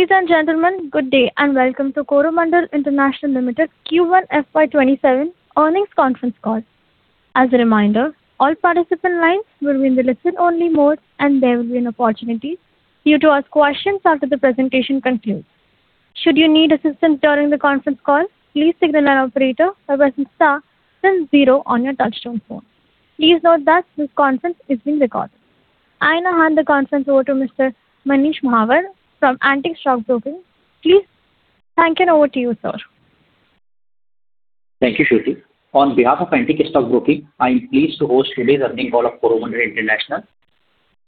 Ladies and gentlemen, good day and welcome to Coromandel International Limited Q1 FY 2027 earnings conference call. As a reminder, all participant lines will be in the listen-only mode, and there will be an opportunity for you to ask questions after the presentation concludes. Should you need assistance during the conference call, please signal an operator by pressing star then zero on your touch-tone phone. Please note that this conference is being recorded. I now hand the conference over to Mr. Manish Mahawar from Antique Stock Broking. Please, thank you, and over to you, sir. Thank you, Shruti. On behalf of Antique Stock Broking, I am pleased to host today's earnings call of Coromandel International.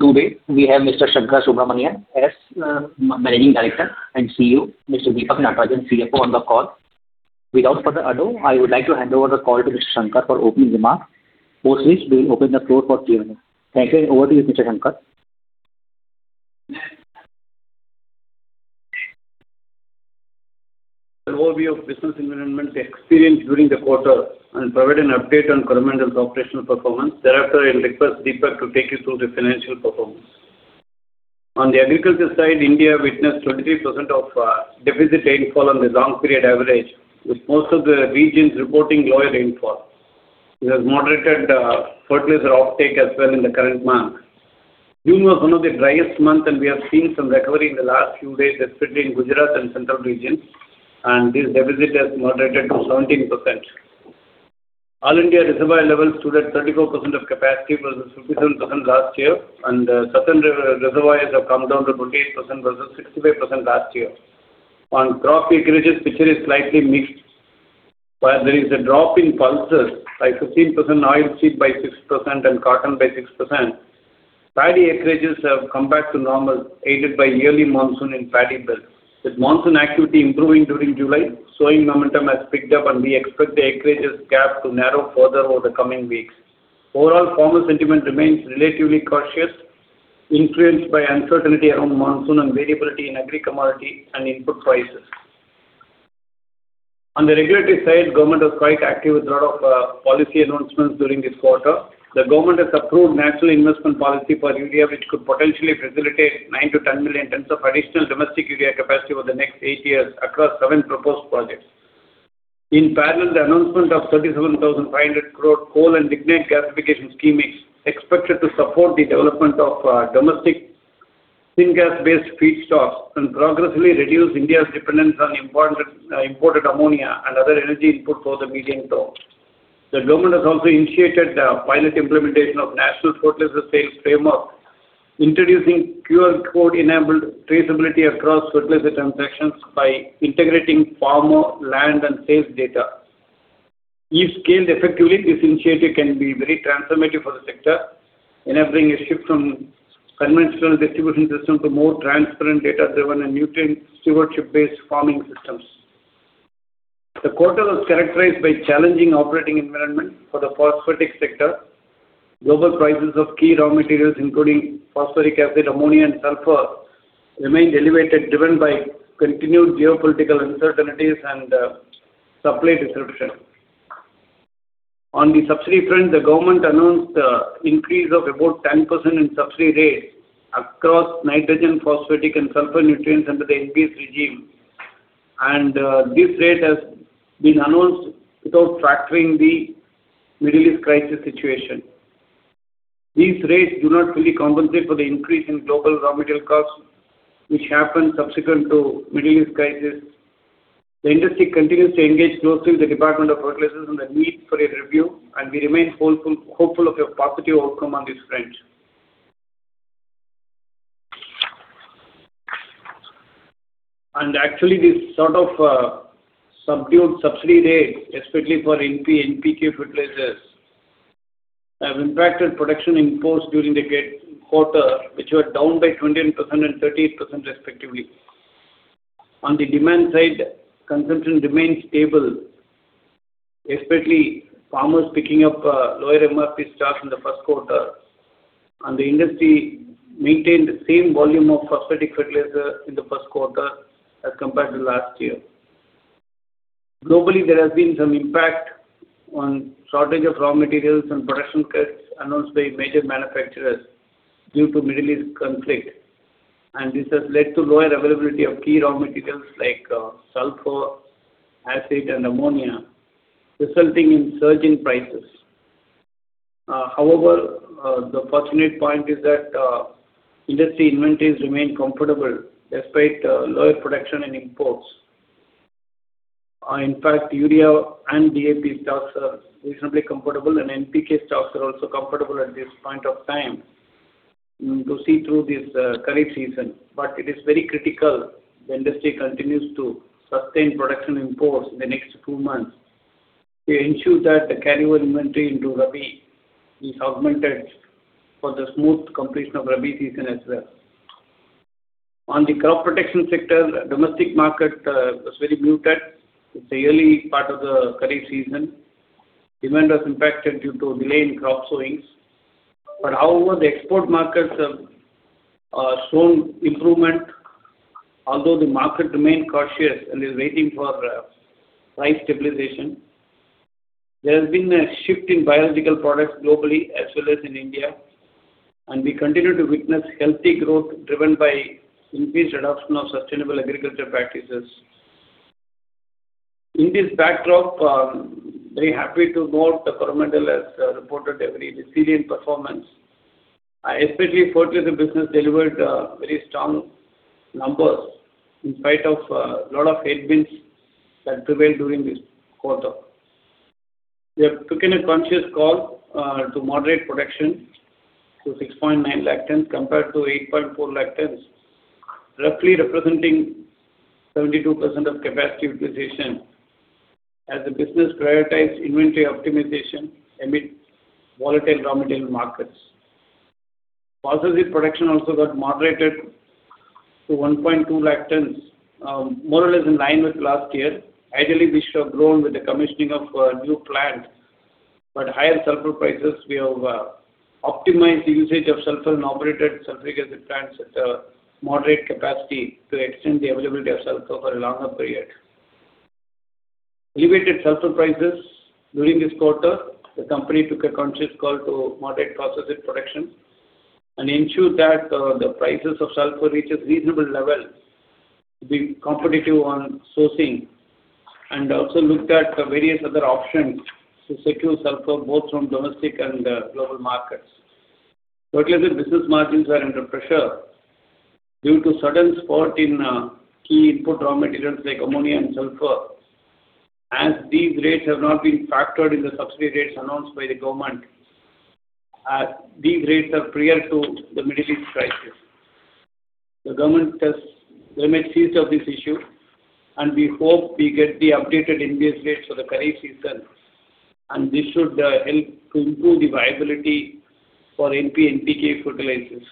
Today, we have Mr. Sankarasubramanian S. as Managing Director and CEO, Mr. Deepak Natarajan, CFO on the call. Without further ado, I would like to hand over the call to Mr. Sankar for opening remarks, post which we will open the floor for Q&A. Thank you, and over to you, Mr. Sankar. an overview of business environment experienced during the quarter and provide an update on Coromandel's operational performance. Thereafter, I'll request Deepak to take you through the financial performance. On the agriculture side, India witnessed 23% of deficit rainfall on the long period average, with most of the regions reporting lower rainfall. We have moderated fertilizer offtake as well in the current month. June was one of the driest months, and we have seen some recovery in the last few days, especially in Gujarat and central regions, and this deficit has moderated to 17%. All India reservoir levels stood at 34% of capacity versus 57% last year, and southern reservoirs have come down to 28% versus 65% last year. On crop acreages, the picture is slightly mixed. While there is a drop in pulses by 15%, oilseed by 6%, and cotton by 6%, paddy acreages have come back to normal, aided by early monsoon in paddy belt. With monsoon activity improving during July, sowing momentum has picked up, and we expect the acreages gap to narrow further over the coming weeks. Overall, farmer sentiment remains relatively cautious, influenced by uncertainty around monsoon and variability in agri commodity and input prices. On the regulatory side, government was quite active with a lot of policy announcements during this quarter. The government has approved National Investment Policy for Urea, which could potentially facilitate 9 million-10 million tons of additional domestic urea capacity over the next eight years across seven proposed projects. In parallel, the announcement of 37,500 crore coal and lignite gasification scheme is expected to support the development of domestic syngas-based feedstocks and progressively reduce India's dependence on imported ammonia and other energy input over the medium term. The government has also initiated the pilot implementation of national framework, introducing QR code-enabled traceability across fertilizer transactions by integrating farmer, land, and sales data. If scaled effectively, this initiative can be very transformative for the sector, enabling a shift from conventional distribution system to more transparent, data-driven, and nutrient stewardship-based farming systems. The quarter was characterized by challenging operating environment for the phosphatic sector. Global prices of key raw materials including phosphoric acid, ammonia, and sulfur remained elevated, driven by continued geopolitical uncertainties and supply disruptions. On the subsidy front, the government announced increase of about 10% in subsidy rates across nitrogen, phosphatic, and sulfur nutrients under the NBS regime. This rate has been announced without factoring the Middle East crisis situation. These rates do not fully compensate for the increase in global raw material costs, which happened subsequent to Middle East crisis. The industry continues to engage closely with the Department of Fertilizers on the need for a review, and we remain hopeful of a positive outcome on this front. Actually, this sort of subdued subsidy rate, especially for NPK fertilizers, have impacted production in ports during the quarter, which were down by 28% and 13% respectively. On the demand side, consumption remains stable, especially farmers picking up lower MRP stock in the first quarter, and the industry maintained the same volume of phosphatic fertilizer in the first quarter as compared to last year. Globally, there has been some impact on shortage of raw materials and production cuts announced by major manufacturers due to Middle East conflict, and this has led to lower availability of key raw materials like sulfur, acid, and ammonia, resulting in surge in prices. However, the fortunate point is that industry inventories remain comfortable despite lower production and imports. In fact, urea and DAP stocks are reasonably comfortable, and NPK stocks are also comfortable at this point of time to see through this Kharif season, but it is very critical the industry continues to sustain production imports in the next two months to ensure that the carryover inventory into Rabi is augmented for the smooth completion of Rabi season as well. On the crop protection sector, domestic market was very muted. It's the early part of the Kharif season. Demand was impacted due to delay in crop sowings. However, the export markets have shown improvement, although the market remained cautious and is waiting for price stabilization. There has been a shift in biological products globally as well as in India, and we continue to witness healthy growth driven by increased adoption of sustainable agriculture practices. In this backdrop, very happy to note that Coromandel has reported a resilient performance, especially fertilizer business delivered very strong numbers in spite of a lot of headwinds that prevailed during this quarter. We have taken a conscious call to moderate production to 6.9 lakh tons compared to 8.4 lakh tons, roughly representing 72% of capacity utilization as the business prioritize inventory optimization amid volatile raw material markets. Phosphoric production also got moderated to 1.2 lakh tons, more or less in line with last year. Ideally, we should have grown with the commissioning of a new plant, but higher sulfur prices, we have optimized the usage of sulfur and operated sulfuric acid plants at a moderate capacity to extend the availability of sulfur for a longer period. Elevated sulfur prices during this quarter, the company took a conscious call to moderate phosphoric production and ensure that the prices of sulfur reaches reasonable level to be competitive on sourcing, and also looked at various other options to secure sulfur, both from domestic and global markets. Fertilizer business margins are under pressure due to sudden spurt in key input raw materials like ammonia and sulfur. These rates have not been factored in the subsidy rates announced by the government, as these rates are prior to the Middle East crisis. The government has remained seized of this issue, and we hope we get the updated NBS rates for the current season, and this should help to improve the viability for NP and PK fertilizers.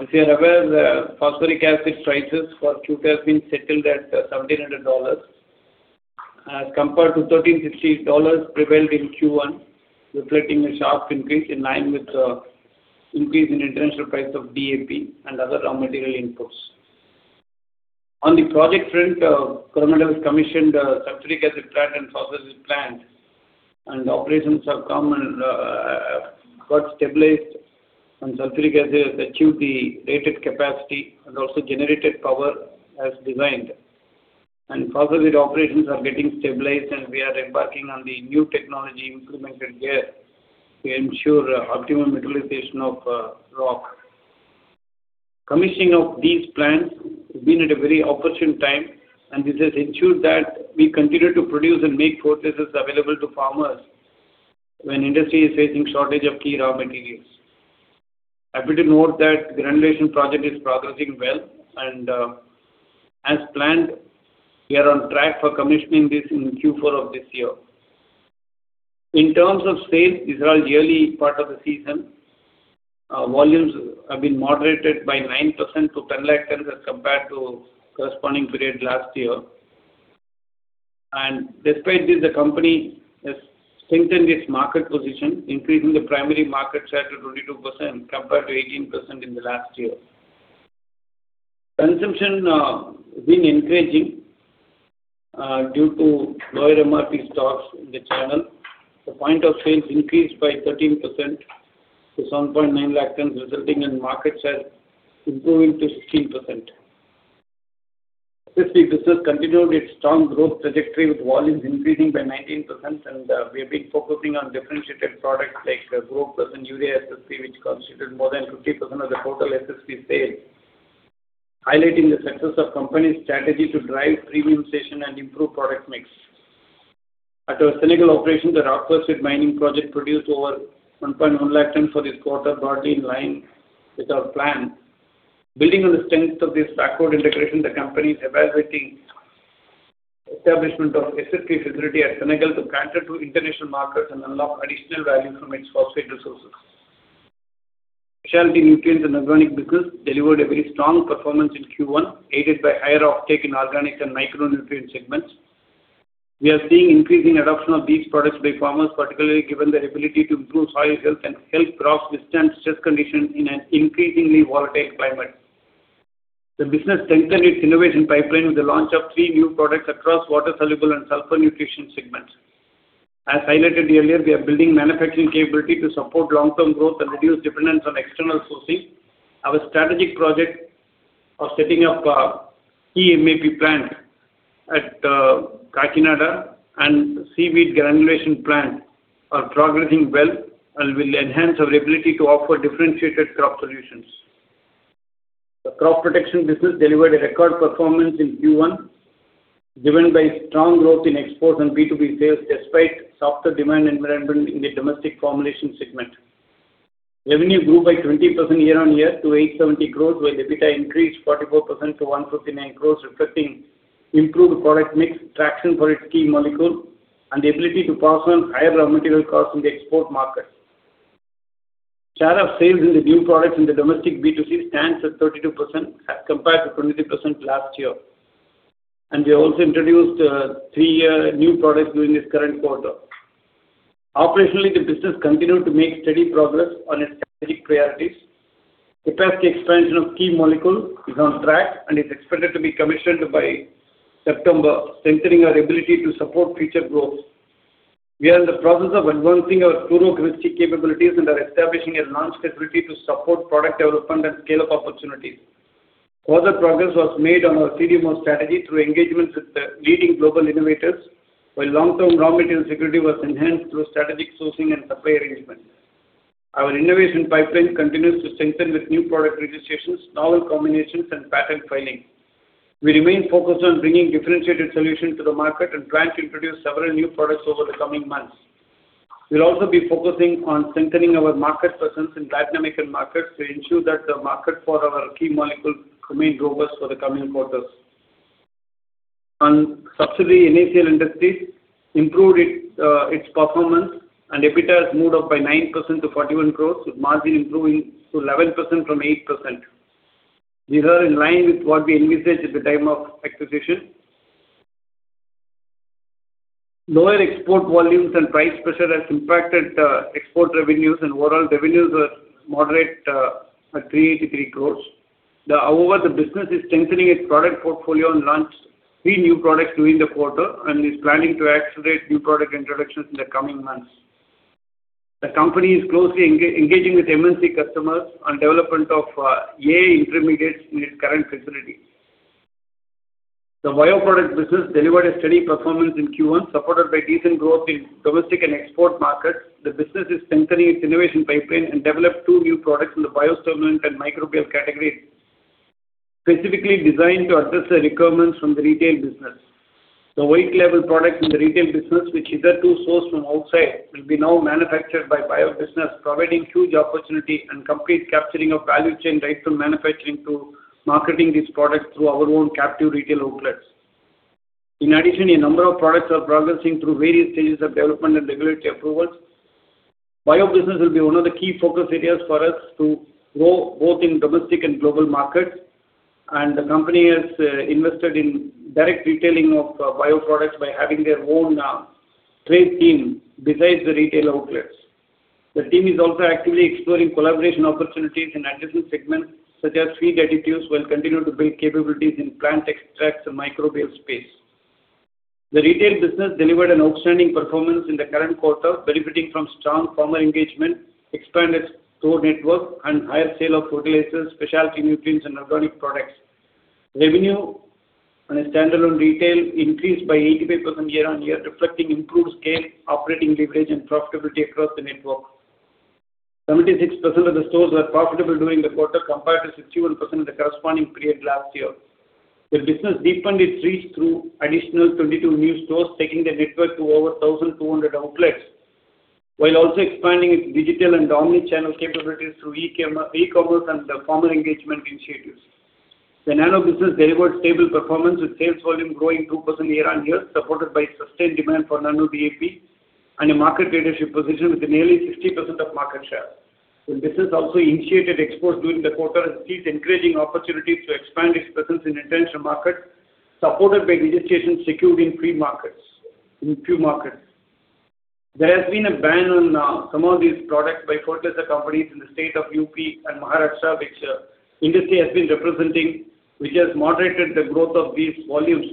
As you're aware, phosphoric acid prices for Q2 have been settled at $1,700 as compared to $1,350 prevailed in Q1, reflecting a sharp increase in line with the increase in international price of DAP and other raw material inputs. On the project front, Coromandel has commissioned a sulfuric acid plant and phosphoric plant. Operations have come and got stabilized, and sulfuric acid has achieved the rated capacity, and also generated power as designed. Phosphoric operations are getting stabilized, and we are embarking on the new technology implemented here to ensure optimum utilization of rock. Commissioning of these plants has been at a very opportune time, and this has ensured that we continue to produce and make phosphates available to farmers when industry is facing shortage of key raw materials. Happy to note that granulation project is progressing well, and as planned, we are on track for commissioning this in Q4 of this year. In terms of sales, these are all yearly part of the season. Volumes have been moderated by 9% to 10 lakh tons as compared to corresponding period last year. Despite this, the company has strengthened its market position, increasing the primary market share to 22% compared to 18% in the last year. Consumption has been increasing due to lower MRP stocks in the channel. The point of sales increased by 13% to 7.9 lakh tons, resulting in market share improving to 16%. SSP business continued its strong growth trajectory, with volumes increasing by 19%, and we have been focusing on differentiated products like Gromor Urea SSP, which constituted more than 50% of the total SSP sales, highlighting the success of company's strategy to drive premiumization and improve product mix. At our Senegal operation, the rock phosphate mining project produced over 1.1 lakh tons for this quarter, broadly in line with our plan. Building on the strength of this backward integration, the company is evaluating establishment of SSP facility at Senegal to cater to international markets and unlock additional value from its phosphate resources. Speciality nutrients and organic business delivered a very strong performance in Q1, aided by higher uptake in organic and micronutrient segments. We are seeing increasing adoption of these products by farmers, particularly given their ability to improve soil health and help crops withstand stress conditions in an increasingly volatile climate. The business strengthened its innovation pipeline with the launch of three new products across water-soluble and sulfur nutrition segments. As highlighted earlier, we are building manufacturing capability to support long-term growth and reduce dependence on external sourcing. Our strategic project of setting up a key MAP plant at Kakinada and seaweed granulation plant are progressing well and will enhance our ability to offer differentiated crop solutions. The crop protection business delivered a record performance in Q1, driven by strong growth in exports and B2B sales despite softer demand environment in the domestic formulation segment. Revenue grew by 20% year-on-year to 870 crore while EBITDA increased 44% to 159 crore, reflecting improved product mix, traction for its key molecule, and the ability to pass on higher raw material costs in the export market. Share of sales in the new products in the domestic B2C stands at 32% as compared to 23% last year. We also introduced three new products during this current quarter. Operationally, the business continued to make steady progress on its strategic priorities. Capacity expansion of key molecule is on track and is expected to be commissioned by September, centering our ability to support future growth. We are in the process of advancing our chlor-alkali capabilities and are establishing a launch facility to support product development and scale-up opportunities. Further progress was made on our CDMO strategy through engagements with the leading global innovators, while long-term raw material security was enhanced through strategic sourcing and supply arrangements. Our innovation pipeline continues to strengthen with new product registrations, novel combinations, and patent filings. We remain focused on bringing differentiated solutions to the market and plan to introduce several new products over the coming months. We'll also be focusing on strengthening our market presence in dynamic end markets to ensure that the market for our key molecule remains robust for the coming quarters. On subsidiary, NACL Industries improved its performance, and EBITDA has moved up by 9% to 41 crore, with margin improving to 11% from 8%. These are in line with what we envisaged at the time of acquisition. Lower export volumes and price pressure has impacted export revenues and overall revenues were moderate at 383 crore. The business is strengthening its product portfolio and launched three new products during the quarter and is planning to accelerate new product introductions in the coming months. The company is closely engaging with MNC customers on development of AI intermediates in its current facility. The bio product business delivered a steady performance in Q1, supported by decent growth in domestic and export markets. The business is strengthening its innovation pipeline and developed two new products in the biostimulant and microbial categories, specifically designed to address the requirements from the retail business. The white label products in the retail business, which hitherto sourced from outside, will be now manufactured by bio business, providing huge opportunity and complete capturing of value chain right from manufacturing to marketing these products through our own captive retail outlets. In addition, a number of products are progressing through various stages of development and regulatory approvals. Bio business will be one of the key focus areas for us to grow both in domestic and global markets, and the company has invested in direct retailing of bio products by having their own sales team besides the retail outlets. The team is also actively exploring collaboration opportunities in adjacent segments such as feed additives, while continuing to build capabilities in plant extracts and microbial space. The retail business delivered an outstanding performance in the current quarter, benefiting from strong farmer engagement, expanded store network, and higher sale of fertilizers, speciality nutrients, and organic products. Revenue on a standalone retail increased by 85% year-on-year, reflecting improved scale, operating leverage, and profitability across the network. 76% of the stores were profitable during the quarter compared to 61% in the corresponding period last year. The business deepened its reach through additional 22 new stores, taking the network to over 1,200 outlets, while also expanding its digital and omni-channel capabilities through e-commerce and the farmer engagement initiatives. The nano business delivered stable performance, with sales volume growing 2% year-on-year, supported by sustained demand for Nano DAP and a market leadership position with nearly 60% of market share. The business also initiated exports during the quarter and sees increasing opportunity to expand its presence in international markets, supported by registrations secured in few markets. There has been a ban on some of these products by fertilizer companies in the state of U.P. and Maharashtra, which industry has been representing, which has moderated the growth of these volumes.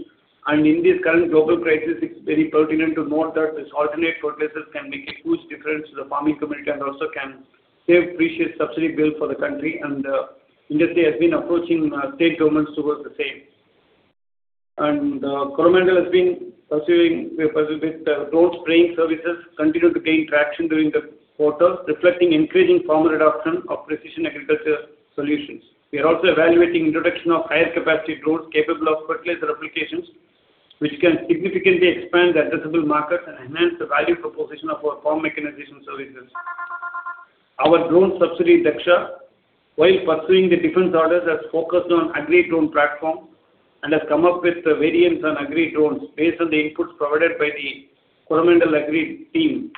In this current global crisis, it's very pertinent to note that these alternate fertilizers can make a huge difference to the farming community and also can save precious subsidy bill for the country. The industry has been approaching state governments towards the same. Coromandel has been pursuing drones spraying services continue to gain traction during the quarter, reflecting increasing farmer adoption of precision agriculture solutions. We are also evaluating introduction of higher capacity drones capable of fertilizer applications, which can significantly expand the addressable market and enhance the value proposition of our farm mechanization services. Our drone subsidiary, Dhaksha, while pursuing the defense orders, has focused on agri-drone platform and has come up with variants on agri-drones based on the inputs provided by the Coromandel agri team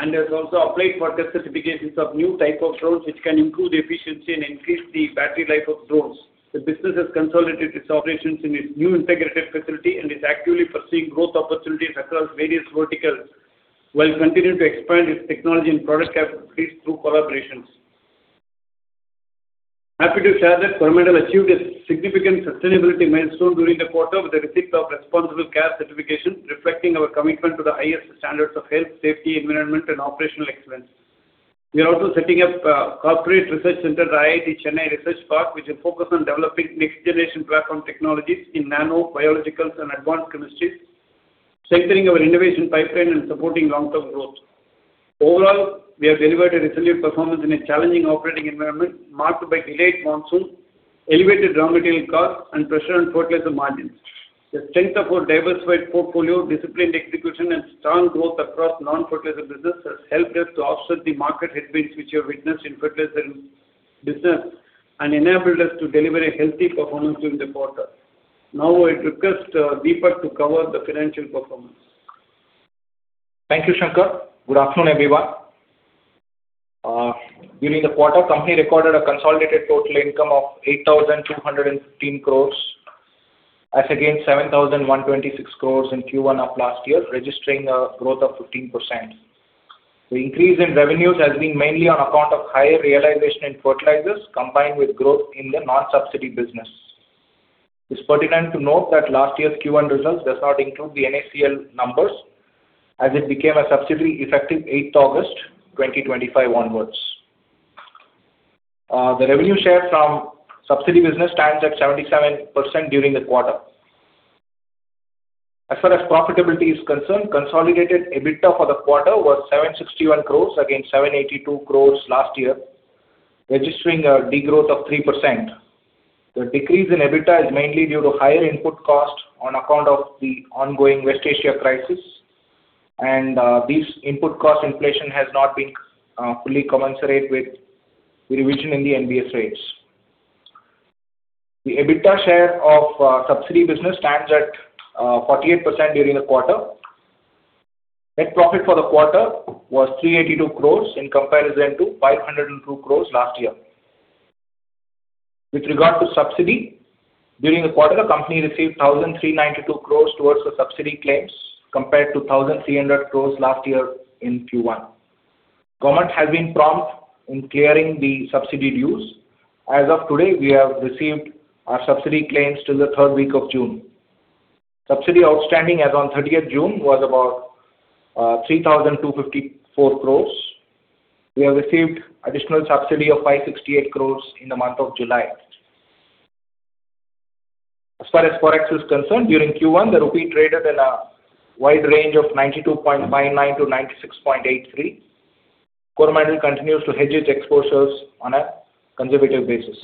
and has also applied for the certifications of new type of drones, which can improve efficiency and increase the battery life of drones. The business has consolidated its operations in its new integrated facility and is actively pursuing growth opportunities across various verticals while continuing to expand its technology and product capabilities through collaborations. Happy to share that Coromandel achieved a significant sustainability milestone during the quarter with the receipt of Responsible Care certification, reflecting our commitment to the highest standards of health, safety, environment, and operational excellence. We are also setting up a corporate research center at IIT Madras Research Park, which will focus on developing next generation platform technologies in nano, biological, and advanced chemistry, strengthening our innovation pipeline and supporting long-term growth. Overall, we have delivered a resilient performance in a challenging operating environment marked by delayed monsoon, elevated raw material costs, and pressure on fertilizer margins. The strength of our diversified portfolio, disciplined execution, and strong growth across non-fertilizer business has helped us to offset the market headwinds which we have witnessed in fertilizer business and enabled us to deliver a healthy performance during the quarter. Now, I request Deepak to cover the financial performance. Thank you, Sankar. Good afternoon, everyone. During the quarter, company recorded a consolidated total income of 8,215 crore as against 7,126 crore in Q1 of last year, registering a growth of 15%. The increase in revenues has been mainly on account of higher realization in fertilizers, combined with growth in the non-subsidy business. It's pertinent to note that last year's Q1 results does not include the NACL numbers, as it became a subsidiary effective 8th August 2025 onwards. The revenue share from subsidy business stands at 77% during the quarter. As far as profitability is concerned, consolidated EBITDA for the quarter was 761 crore against 782 crore last year, registering a degrowth of 3%. The decrease in EBITDA is mainly due to higher input cost on account of the ongoing West Asia crisis. This input cost inflation has not been fully commensurate with the revision in the NBS rates. The EBITDA share of subsidy business stands at 48% during the quarter. Net profit for the quarter was 382 crore in comparison to 502 crore last year. With regard to subsidy, during the quarter, the company received 1,392 crore towards the subsidy claims, compared to 1,300 crore last year in Q1. Government has been prompt in clearing the subsidy dues. As of today, we have received our subsidy claims till the third week of June. Subsidy outstanding as on 30th June was about 3,254 crore. We have received additional subsidy of 568 crore in the month of July. As far as forex is concerned, during Q1, the rupee traded in a wide range of 92.59-96.83. Coromandel continues to hedge its exposures on a conservative basis.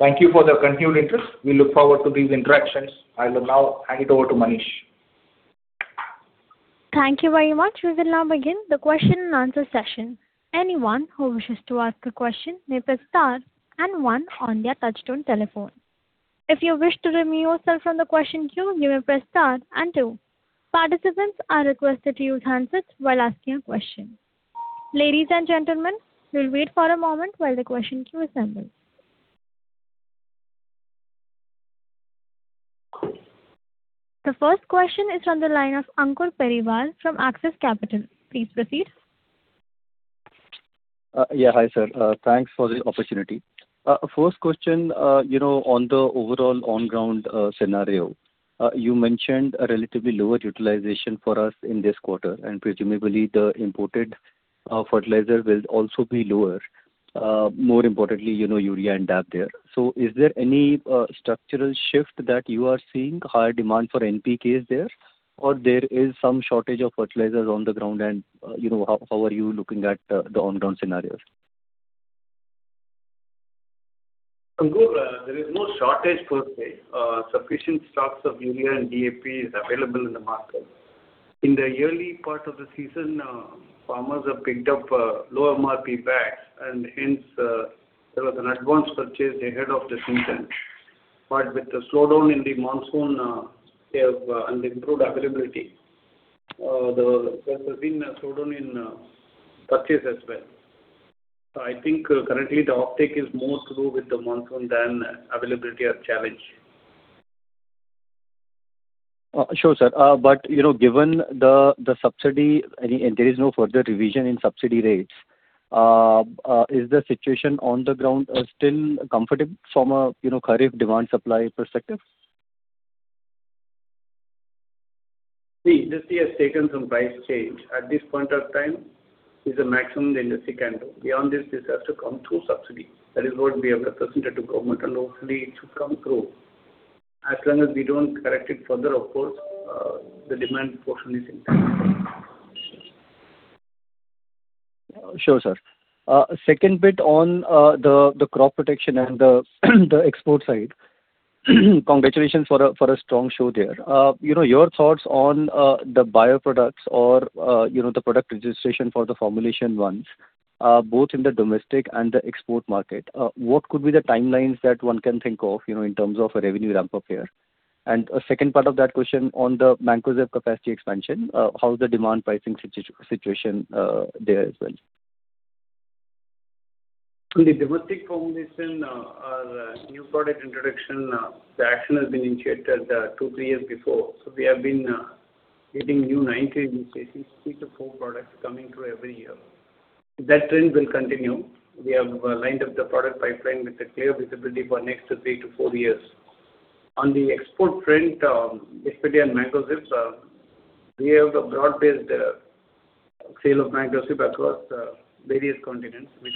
Thank you for the continued interest. We look forward to these interactions. I will now hand it over to Manish. Thank you very much. We will now begin the question-and-answer session. Anyone who wishes to ask a question may press star and one on their touch-tone telephone. If you wish to remove yourself from the question queue, you may press star and two. Participants are requested to use handsets while asking a question. Ladies and gentlemen, we will wait for a moment while the question queue assembles. The first question is from the line of Ankur Periwal from Axis Capital. Please proceed. Yeah. Hi, sir. Thanks for the opportunity. First question, on the overall on ground scenario. You mentioned a relatively lower utilization for us in this quarter, and presumably, the imported fertilizer will also be lower. More importantly, urea and DAP there. Is there any structural shift that you are seeing higher demand for NPK there? Or there is some shortage of fertilizers on the ground, and how are you looking at the on ground scenarios? Ankur, there is no shortage per se. Sufficient stocks of urea and DAP is available in the market. In the yearly part of the season, farmers have picked up low MRP bags, and hence, there was an advance purchase ahead of the season. But with the slowdown in the monsoon, and improved availability, there has been a slowdown in purchase as well. I think, currently, the uptake is more to do with the monsoon than availability or challenge. Sure, sir. But given the subsidy, and there is no further revision in subsidy rates, is the situation on the ground still comfortable from a Kharif demand supply perspective? See, the industry has taken some price change. At this point of time, it's the maximum the industry can do. Beyond this has to come through subsidy. That is what we have represented to government, and hopefully, it should come through. As long as we don't correct it further, of course, the demand portion is intact. Sure, sir. Second bit on the crop protection and the export side. Congratulations for a strong show there. Your thoughts on the bioproducts or the product registration for the formulation ones, both in the domestic and the export market. What could be the timelines that one can think of in terms of a revenue ramp-up here? A second part of that question on the Mancozeb capacity expansion. How is the demand pricing situation there as well? In the domestic formulation, our new product introduction, the action has been initiated two, three years before. We have been getting new 9(3)s, three to four products coming through every year. That trend will continue. We have lined up the product pipeline with a clear visibility for next three to four years. On the export front, especially on Mancozeb, we have the broad-based sale of Mancozeb across various continents. We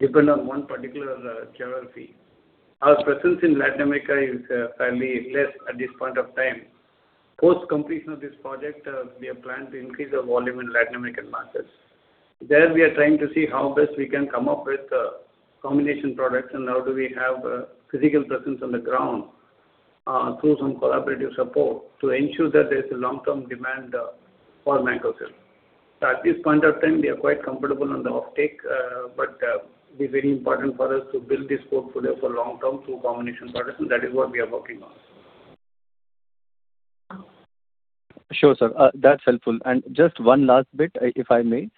don't depend on one particular geography. Our presence in Latin America is fairly less at this point of time. Post completion of this project, we have planned to increase our volume in Latin American markets. There, we are trying to see how best we can come up with combination products, and how do we have physical presence on the ground through some collaborative support to ensure that there's a long-term demand for Mancozeb. At this point of time, we are quite comfortable on the offtake, but it's very important for us to build this portfolio for long-term through combination products, and that is what we are working on. Sure, sir. That's helpful. Just one last bit, if I may.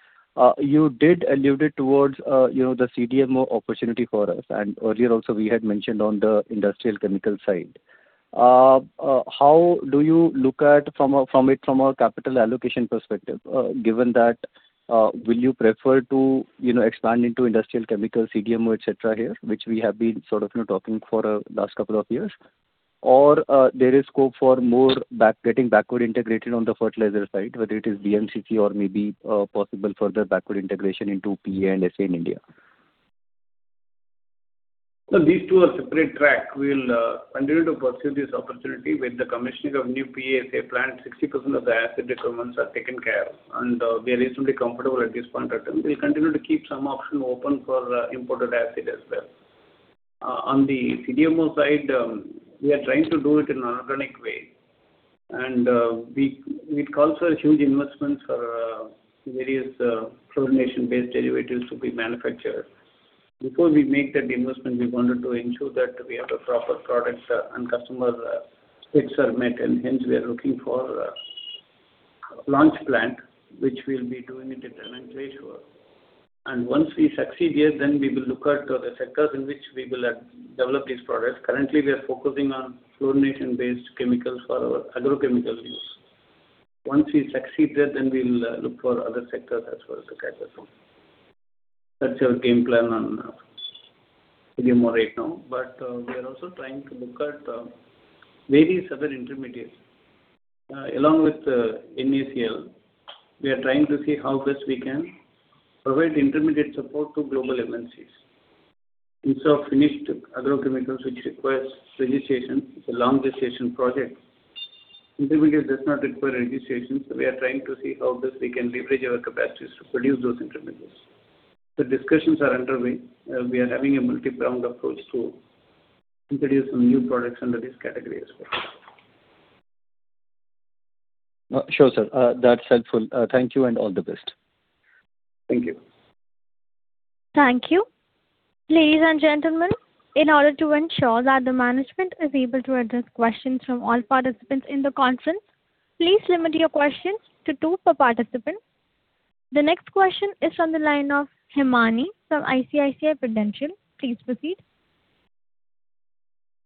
You did allude it towards the CDMO opportunity for us, and earlier also, we had mentioned on the industrial chemical side. How do you look at it from a capital allocation perspective, given that, will you prefer to expand into industrial chemical, CDMO, et cetera, here, which we have been sort of talking for last couple of years? Or there is scope for more getting backward integrated on the fertilizer side, whether it is BMCC or maybe possible further backward integration into PA and SA in India? No, these two are separate track. We'll continue to pursue this opportunity with the commissioning of new PA/SA plant, 60% of the acid requirements are taken care, and we are reasonably comfortable at this point of time. We'll continue to keep some option open for imported acid as well. On the CDMO side, we are trying to do it in an organic way. It calls for huge investments for various fluorination-based derivatives to be manufactured. Before we make that investment, we wanted to ensure that we have the proper products and customer fits are met. Hence, we are looking for a launch plant, which we'll be doing it at our own pace. Once we succeed here, then we will look at the sectors in which we will develop these products. Currently, we are focusing on fluorination-based chemicals for our agrochemical use. Once we succeed there, then, we'll look for other sectors as well to cater from. That's our game plan on CDMO right now. We are also trying to look at various other intermediates. Along with NACL, we are trying to see how best we can provide intermediate support to global MNCs. Instead of finished agrochemicals, which requires registration, it's a long registration project. Intermediate does not require registration. We are trying to see how best we can leverage our capacities to produce those intermediates. Discussions are underway. We are having a multi-pronged approach to introduce some new products under this category as well. Sure, sir. That's helpful. Thank you, and all the best. Thank you. Thank you. Ladies and gentlemen, in order to ensure that the management is able to address questions from all participants in the conference, please limit your questions to two per participant. The next question is from the line of [Himani] from ICICI Prudential. Please proceed.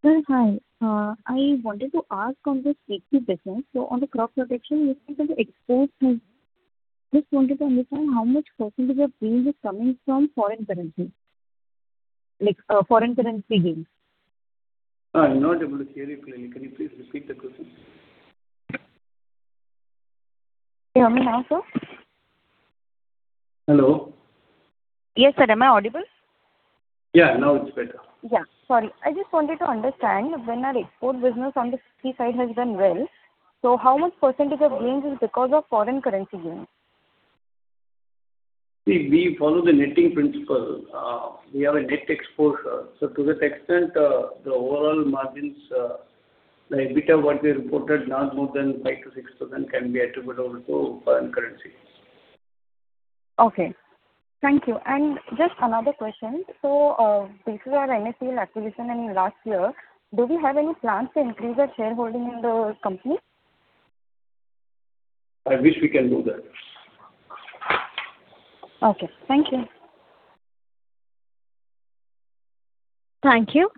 Sir, hi. I wanted to ask on this safety business. On the crop protection, you said that. Just wanted to understand how much percent of your gains is coming from foreign currency. Like foreign currency gains. I'm not able to hear you clearly. Can you please repeat the question? Can you hear me now, sir? Hello? Yes, sir. Am I audible? Yeah, now it's better. Yeah, sorry. I just wanted to understand when our export business on the CPC side has done well, so how much percent of gains is because of foreign currency gains? See, we follow the netting principle. We have a net exposure. To that extent, the overall margins, the EBITDA, what we reported, not more than 5%-6% can be attributable to foreign currency. Okay. Thank you, and just another question. Based on our NACL acquisition in last year, do we have any plans to increase our shareholding in the company? I wish we can do that. Okay. Thank you. Thank you.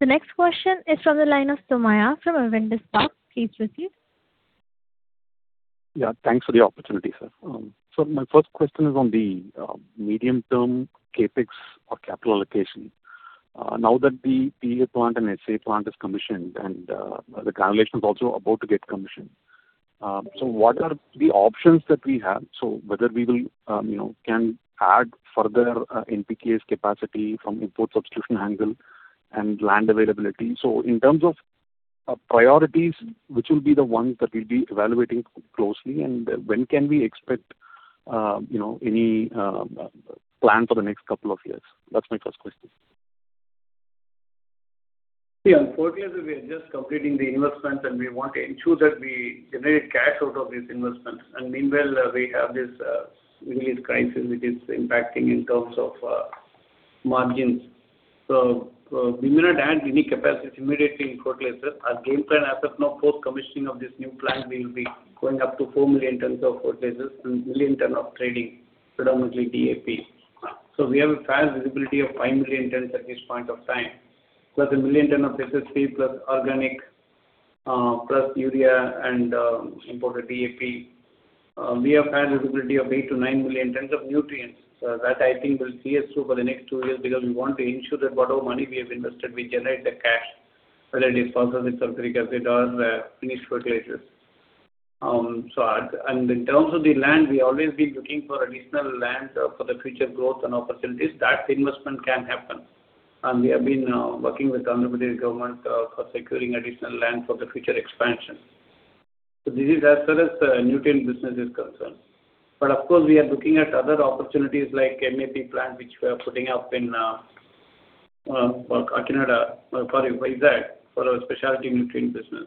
The next question is from the line of Somaiah from Avendus Spark. Please proceed. Yeah. Thanks for the opportunity, sir. My first question is on the medium-term CapEx or capital allocation. Now that the PA plant and SA plant is commissioned and the granulation is also about to get commissioned, so what are the options that we have? Whether we can add further NPK capacity from import substitution angle and land availability. In terms of priorities, which will be the one that we'll be evaluating closely, and when can we expect any plan for the next couple of years? That's my first question. Yeah. On fertilizers, we are just completing the investments, and we want to ensure that we generate cash out of these investments. Meanwhile, we have this ingredient crisis, which is impacting in terms of margins. We may not add any capacity immediately in fertilizers. Our game plan as of now, post-commissioning of this new plant, we will be going up to 4 million tons of fertilizers and 1 million ton of trading, predominantly DAP. We have a fair visibility of 5 million tons at this point of time, plus a 1 million ton of SSP, plus organic, plus urea and imported DAP. We have fair visibility of 8 million-9 million tons of nutrients. That, I think, will see us through for the next two years because we want to ensure that whatever money we have invested, we generate the cash, whether it is, sulfuric acid, or finished fertilizers. In terms of the land, we always been looking for additional lands for the future growth and opportunities. That investment can happen. We have been working with Andhra Pradesh Government for securing additional land for the future expansion. This is as far as nutrient business is concerned. But of course, we are looking at other opportunities like MAP plant, which we are putting up in our speciality nutrient business.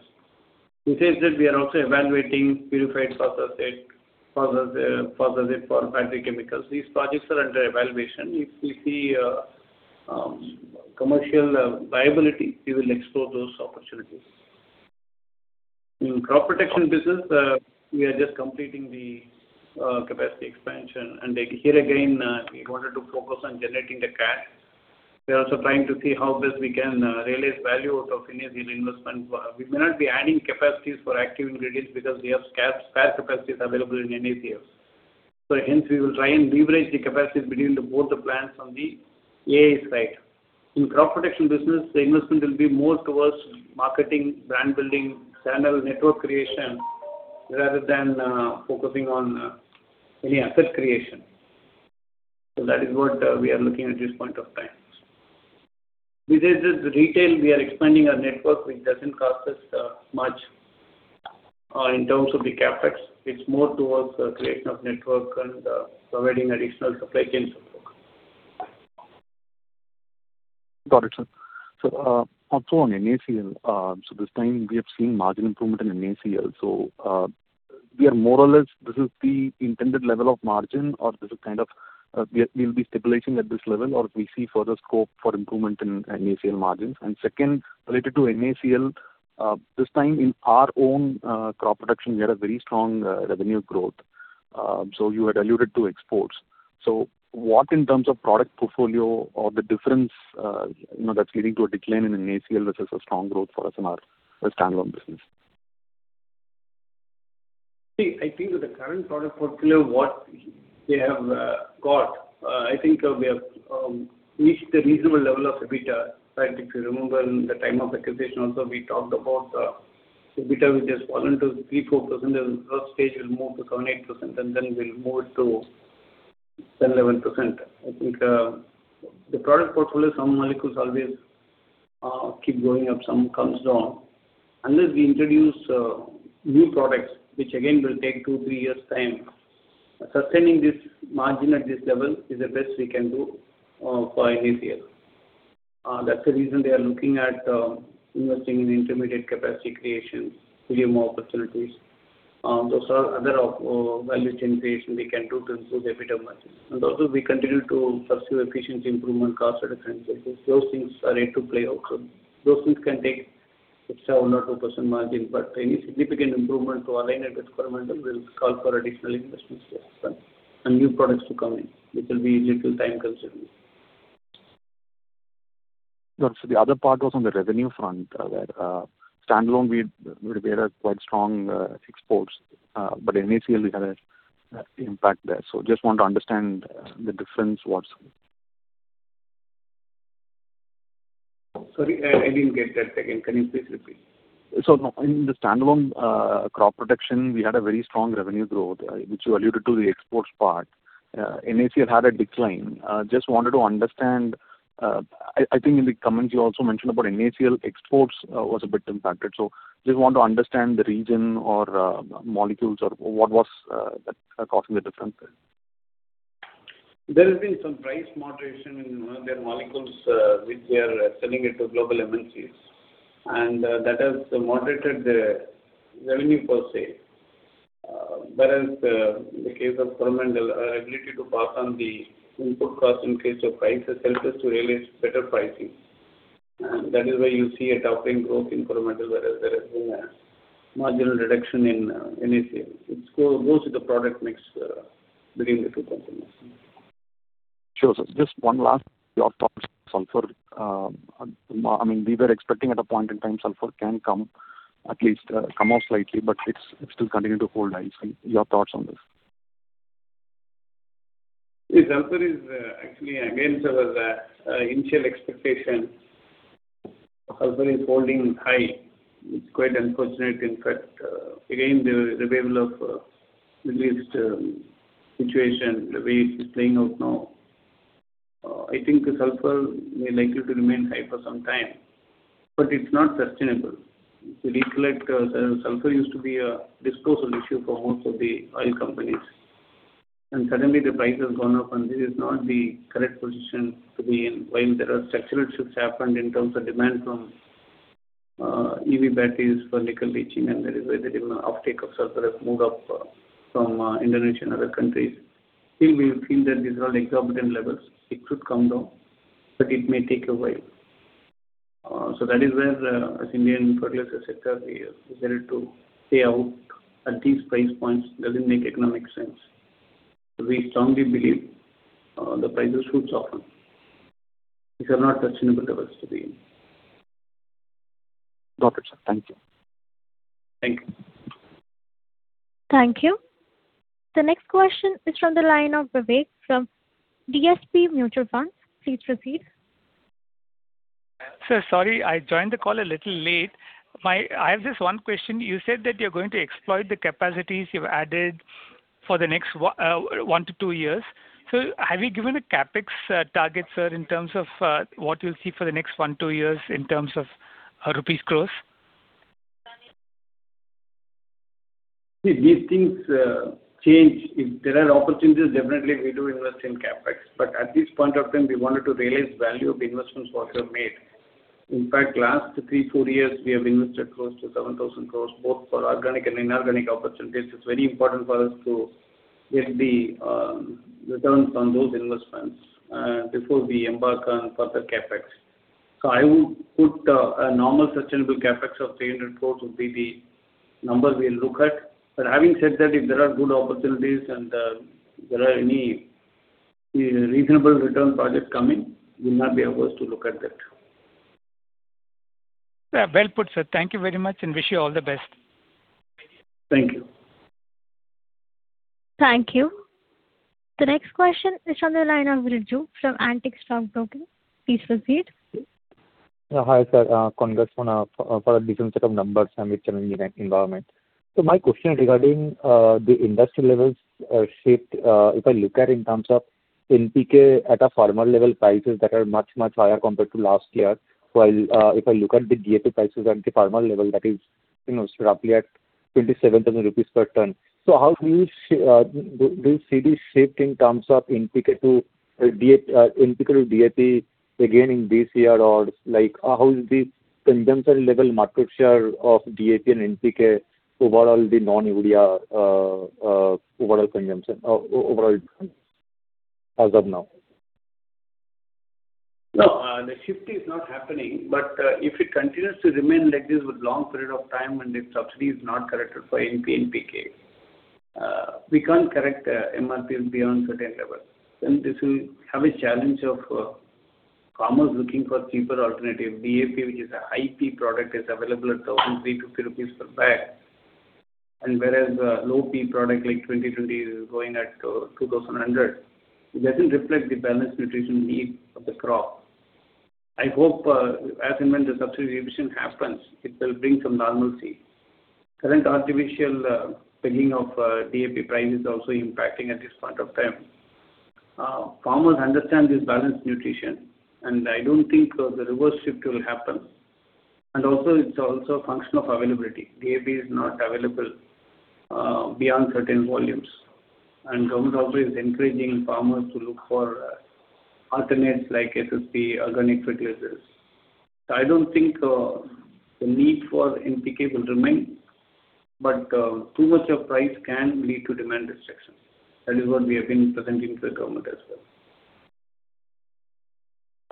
We said that we are also evaluating purified phosphate for the base chemicals. These projects are under evaluation. If we see commercial viability, we will explore those opportunities. In crop protection business, we are just completing the capacity expansion. Here, again, we wanted to focus on generating the cash. We are also trying to see how best we can realize value out of any investment. We may not be adding capacities for because we have spare capacities available in NACL. Hence, we will try and leverage the capacities between the both the plants on the AI side. In crop protection business, the investment will be more towards marketing, brand building, channel network creation, rather than focusing on any asset creation. That is what we are looking at this point of time. Within just retail, we are expanding our network, which doesn't cost us much in terms of the CapEx. It's more towards the creation of network and providing additional supply chain support. Got it, sir. Also, on NACL, this time, we have seen margin improvement in NACL. We are more or less, this is the intended level of margin, or this is kind of we'll be stabilizing at this level, or we see further scope for improvement in NACL margins? Second, related to NACL, this time in our own crop production, we had a very strong revenue growth. You had alluded to exports. What in terms of product portfolio or the difference that's leading to a decline in NACL versus a strong growth for SMR, a standalone business? I think with the current product portfolio, what we have got, I think we have reached the reasonable level of EBITDA. If you remember in the time of acquisition also, we talked about the EBITDA, which has fallen to 3%, 4% in the first stage, will move to 7%, 8%, and then we'll move it to 10%, 11%. I think the product portfolio, some molecules always keep going up, some comes down. Unless we introduce new products, which again will take two, three years time, sustaining this margin at this level is the best we can do for NACL. That's the reason we are looking at investing in intermediate capacity creation, give more opportunities. Those are other value generation we can do to improve the EBITDA margins. Also, we continue to pursue efficiency improvement, cost reductions. Those things are yet to play out. Those things can take extra 1% or 2% margin, but any significant improvement to align that requirement will call for additional investments and new products to come in, which will be little time consuming. The other part was on the revenue front, where standalone, we had quite strong exports. But NACL, we had an impact there. Just want to understand the difference what's. Sorry, I didn't get that. Again, can you please repeat? In the standalone crop protection, we had a very strong revenue growth, which you alluded to the exports part. NACL had a decline. Just wanted to understand, I think in the comments, you also mentioned about NACL exports was a bit impacted. Just want to understand the region or molecules or what was that causing the difference there. There has been some price moderation in one of their molecules, which we are selling it to global MNCs, and that has moderated the revenue per se. Whereas, in the case of Coromandel, our ability to pass on the input cost increase or prices helps us to realize better pricing. That is why you see a doubling growth in Coromandel whereas there has been a marginal reduction in NACL. It goes with the product mix between the two companies. Sure, sir. Just one last, your thoughts on sulfur. We were expecting at a point in time sulfur can come, at least come out slightly, but it's still continuing to hold high. Your thoughts on this. Yes, sulfur is actually against our initial expectation. Sulfur is holding high. It is quite unfortunate. In fact, in the revival of Middle East situation, the way it is playing out now, I think sulfur may likely to remain high for some time, but it is not sustainable. If you recollect, sulfur used to be a disposal issue for most of the oil companies, and suddenly, the price has gone up, and this is not the correct position to be in while there are structural shifts happened in terms of demand from EV batteries for nickel leaching, and that is why the uptake of sulfur has moved up from Indonesia and other countries. We feel that these are all exorbitant levels. It could come down, but it may take a while. That is where, as Indian fertilizer sector, we are ready to stay out at these price points, doesn't make economic sense. We strongly believe the prices should soften. These are not sustainable levels to be in. Got it, sir. Thank you. Thank you. Thank you. The next question is from the line of Vivek from DSP Mutual Fund. Please proceed. Sir, sorry, I joined the call a little late. I have just one question. You said that you're going to exploit the capacities you've added for the next one to two years. Have you given a CapEx target, sir, in terms of what you'll see for the next one, two years in terms of rupees crores? See, these things change. If there are opportunities, definitely, we do invest in CapEx. But at this point of time, we wanted to realize value of the investments what we have made. In fact, last three to four years, we have invested close to 7,000 crore, both for organic and inorganic opportunities. It's very important for us to get the returns on those investments before we embark on further CapEx. I would put a normal sustainable CapEx of 300 crore would be the number we'll look at. Having said that, if there are good opportunities and there are any reasonable return projects coming, we'll not be averse to look at that. Well put, sir. Thank you very much, and wish you all the best. Thank you. Thank you. The next question is on the line of Riju from Antique Stock Broking. Please proceed. Yeah. Hi, sir. Congratulation for a decent set of numbers amid challenging environment. My question regarding the industry levels shift, if I look at in terms of NPK at a farmer level, prices that are much, much higher compared to last year. While if I look at the DAP prices at the farmer level, that is roughly at 27,000 rupees per ton. Do you see this shift in terms of NPK to DAP again in this year? Or, like, how is the consumption level market share of DAP and NPK overall the non-urea overall consumption as of now? No, the shift is not happening, but if it continues to remain like this with long period of time and if subsidy is not corrected for NP and PK, we can't correct MRPs beyond certain level. This will have a challenge of farmers looking for cheaper alternative. DAP, which is a high-P product, is available at INR 1,300 per bag. Whereas a low-P product like 20:20 is going at 2,100. It doesn't reflect the balanced nutrition need of the crop. I hope, as and when the subsidy revision happens, it will bring some normalcy. Current artificial pegging of DAP price is also impacting at this point of time. Farmers understand this balanced nutrition, and I don't think the reverse shift will happen. Also, it's also a function of availability. DAP is not available beyond certain volumes, and government also is encouraging farmers to look for alternates like SSP, organic fertilizers. I don't think the need for NPK will remain, but too much of price can lead to demand restriction. That is what we have been presenting to the government as well.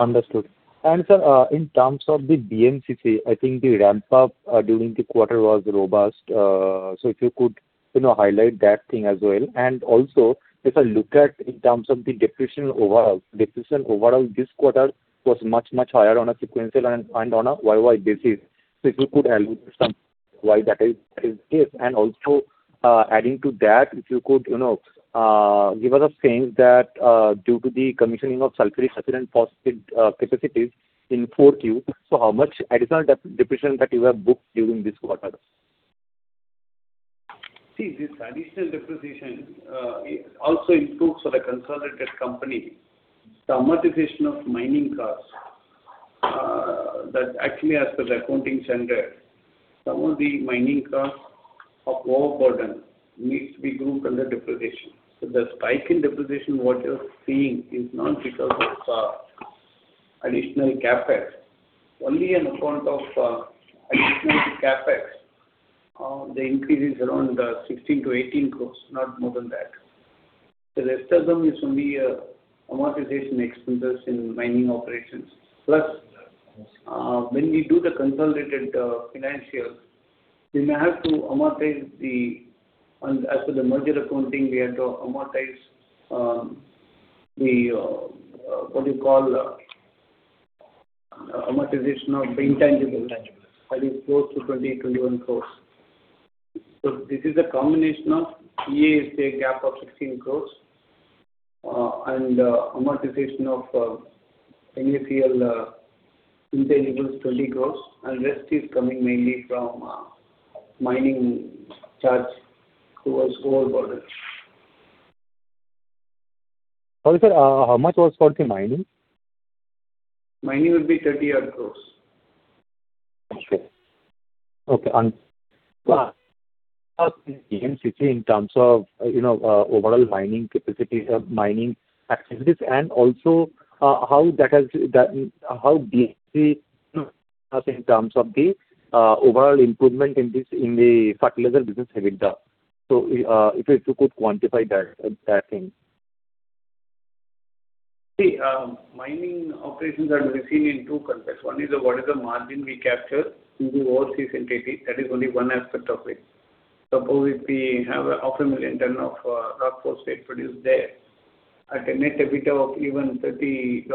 Understood. Sir, in terms of the BMCC, I think the ramp-up during the quarter was robust, so if you could highlight that thing as well. Also, if I look at in terms of the depreciation overall, depreciation overall this quarter was much, much higher on a sequential and on a YoY basis. If you could allude to why that is the case. Also, adding to that, if you could give us a sense that due to the commissioning of sulfuric acid and phosphate capacities in 4Q, how much additional depreciation that you have booked during this quarter? See, this additional depreciation also includes for the consolidated company, the amortization of mining costs. That actually, as per the accounting standard, some of the mining cost of overburden needs to be grouped under depreciation. The spike in depreciation what you're seeing is not because of additional CapEx. Only an account of additional CapEx, the increase is around 16 crore-18 crore, not more than that. The rest of them is only amortization expenditures in mining operations. Plus, when we do the consolidated financials, as per the merger accounting, we have to amortize the, what you call, amortization of the intangibles. That is close to 20 crore, 21 crore. This is a combination of of 16 crore, and amortization of NACL intangibles, 20 crore, and rest is coming mainly from mining charge towards overburden. Sorry, sir. How much was for the mining? Mining would be INR 30-odd crore. Okay. Sir, BMCC in terms of overall mining capacities or mining activities, and also, how BMCC has helped us in terms of the overall improvement in the fertilizer business EBITDA? If you could quantify that thing. See, mining operations are to be seen in two contexts. One is what is the margin we capture in the whole BMCC entity. That is only one aspect of it. Suppose if we have 500,000 ton of rock phosphate produced there at a net EBITDA of even $30,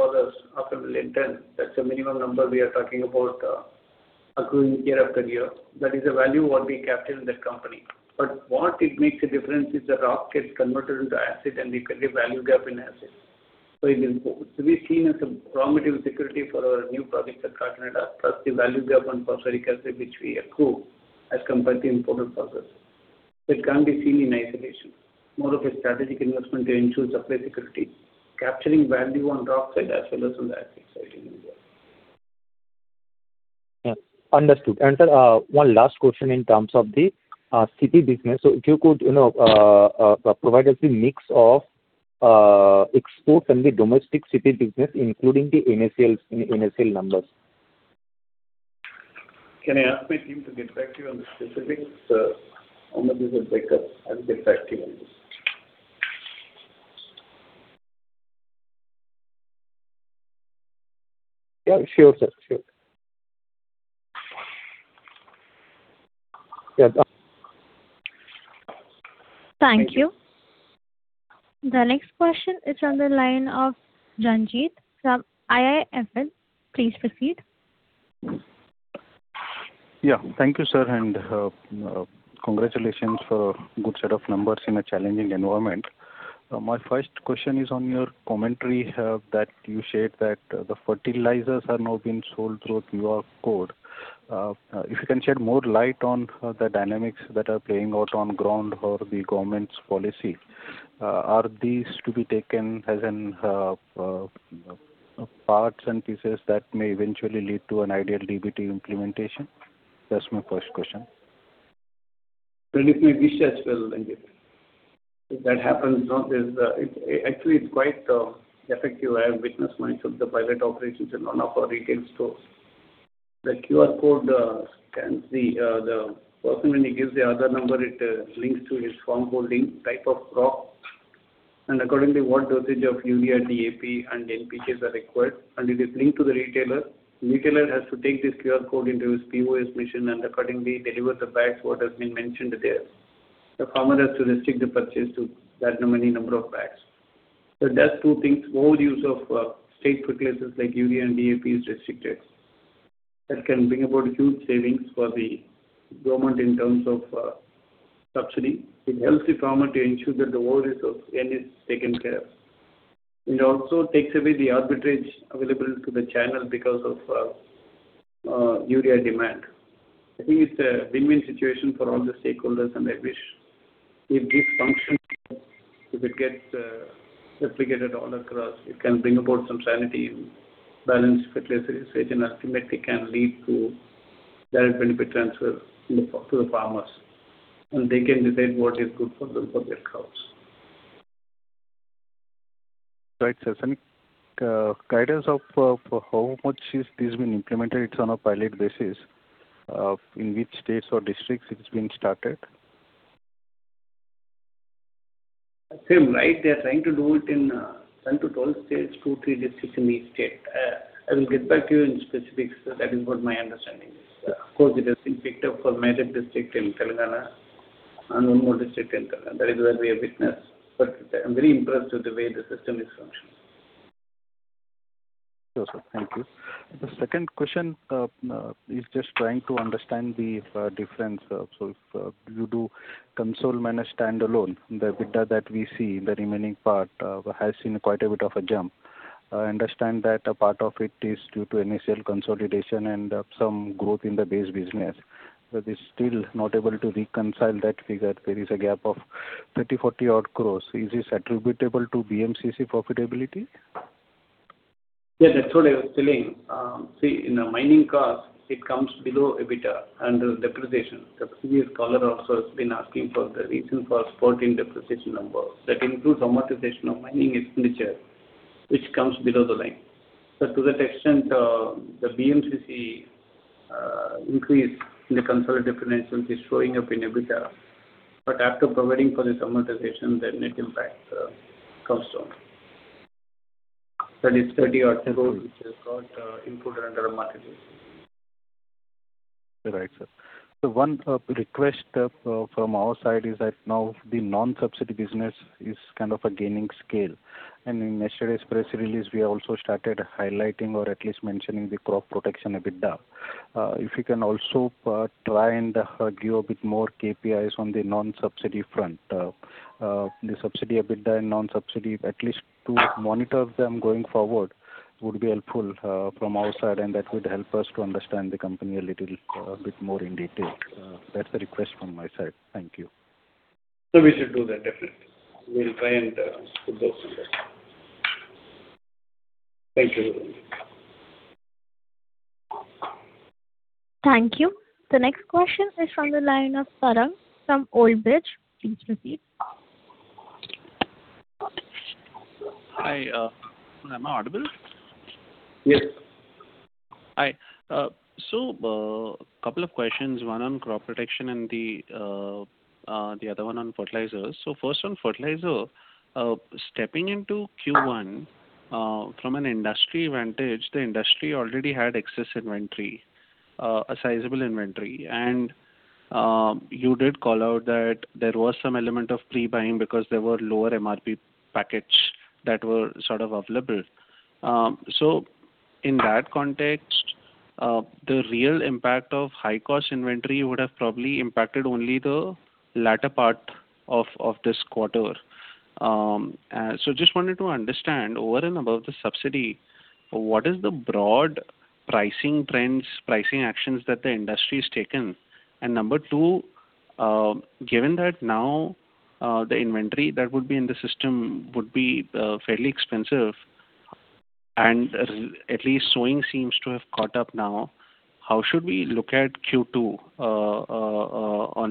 500,000 ton, that's a minimum number we are talking about accruing year after year. That is a value what we captured in that company. But what it makes a difference is the rock gets converted into acid, and we create value gap in acid. It's to be seen as a raw material security for our new project at Kakinada, plus the value gap on phosphoric acid, which we accrue as compared to imported phosphorus. It can't be seen in isolation. More of a strategic investment to ensure supply security, capturing value on rock side as well as on the acid side. Understood. Sir, one last question in terms of the CP business. If you could provide us the mix of export and the domestic CP business, including the NACL numbers. Can I ask my team to get back to you on the specifics, sir, on the business breakup? I'll get back to you on this. Yeah, sure, sir. Sure. Yeah. Thank you. The next question is on the line of Ranjit from IIFL. Please proceed. Yeah. Thank you, sir, and congratulations for a good set of numbers in a challenging environment. My first question is on your commentary that you shared that the fertilizers are now being sold through a QR code. If you can shed more light on the dynamics that are playing out on ground for the government's policy. Are these to be taken as in parts and pieces that may eventually lead to an ideal DBT implementation? That's my first question. Well, it may be, sir, as well, Ranjit. If that happens, actually, it's quite effective. I have witnessed myself the pilot operations in one of our retail stores. The QR code scans the person when he gives the Aadhaar number, it links to his farm holding type of crop, and accordingly, what dosage of urea, DAP, and NPKs are required. It is linked to the retailer. Retailer has to take this QR code into his POS machine and accordingly deliver the bags what has been mentioned there. The farmer has to restrict the purchase to that many number of bags. It does two things. Overuse of state fertilizers like urea and DAP is restricted. That can bring about huge savings for the government in terms of subsidy. It helps the farmer to ensure that the overuse of N is taken care. It also takes away the arbitrage available to the channel because of urea demand. I think it's a win-win situation for all the stakeholders, and I wish if this function, if it gets replicated all across, it can bring about some sanity in balanced fertilizer usage and ultimately can lead to direct benefit transfer to the farmers, and they can decide what is good for them for their crops. Right, sir. Some guidance of how much is this being implemented. It's on a pilot basis. In which states or districts it's been started? Same, right? They're trying to do it in 10-12 states, two, three districts in each state. I will get back to you in specifics. That is what my understanding is. Of course, it has been picked up for Medak district in Telangana and one more district in Telangana. That is where we have witnessed, but I'm very impressed with the way the system is functioning. Sure, sir. Thank you. The second question is just trying to understand the difference. If you do consol standalone, the EBITDA that we see, the remaining part has seen quite a bit of a jump. I understand that a part of it is due to NACL consolidation and some growth in the base business. But it's still not able to reconcile that figure. There is a gap of 30-odd crore, 40-odd crore. Is this attributable to BMCC profitability? That's what I was telling. In the mining cost, it comes below EBITDA under depreciation. The previous caller also has been asking for the reason for 14 depreciation numbers. That includes amortization of mining expenditure, which comes below the line. To that extent, the BMCC increase in the consolidated financials is showing up in EBITDA. But after providing for this amortization, the net impact comes down. That is 30-odd crore rupees which has got included under amortization. Right, sir. One request from our side is that now, the non-subsidy business is kind of gaining scale. In yesterday's press release, we also started highlighting or at least mentioning the crop protection EBITDA. If you can also try and give a bit more KPIs on the non-subsidy front. The subsidy EBITDA and non-subsidy, at least to monitor them going forward would be helpful from our side, and that would help us to understand the company a little bit more in detail. That's the request from my side. Thank you. Sir, we should do that, definitely. We'll try and put those numbers. Thank you. Thank you. The next question is from the line of Tarang from Old Bridge. Please proceed. Hi. Am I audible? Yes. Hi. Couple of questions, one on crop protection and the other one on fertilizers. First on fertilizer. Stepping into Q1, from an industry vantage, the industry already had excess inventory, a sizable inventory. You did call out that there was some element of pre-buying because there were lower MRP packets that were sort of available. In that context, the real impact of high cost inventory would have probably impacted only the latter part of this quarter. Just wanted to understand, over and above the subsidy, what is the broad pricing trends, pricing actions that the industry has taken? Number two, given that now, the inventory that would be in the system would be fairly expensive and at least sowing seems to have caught up now, how should we look at Q2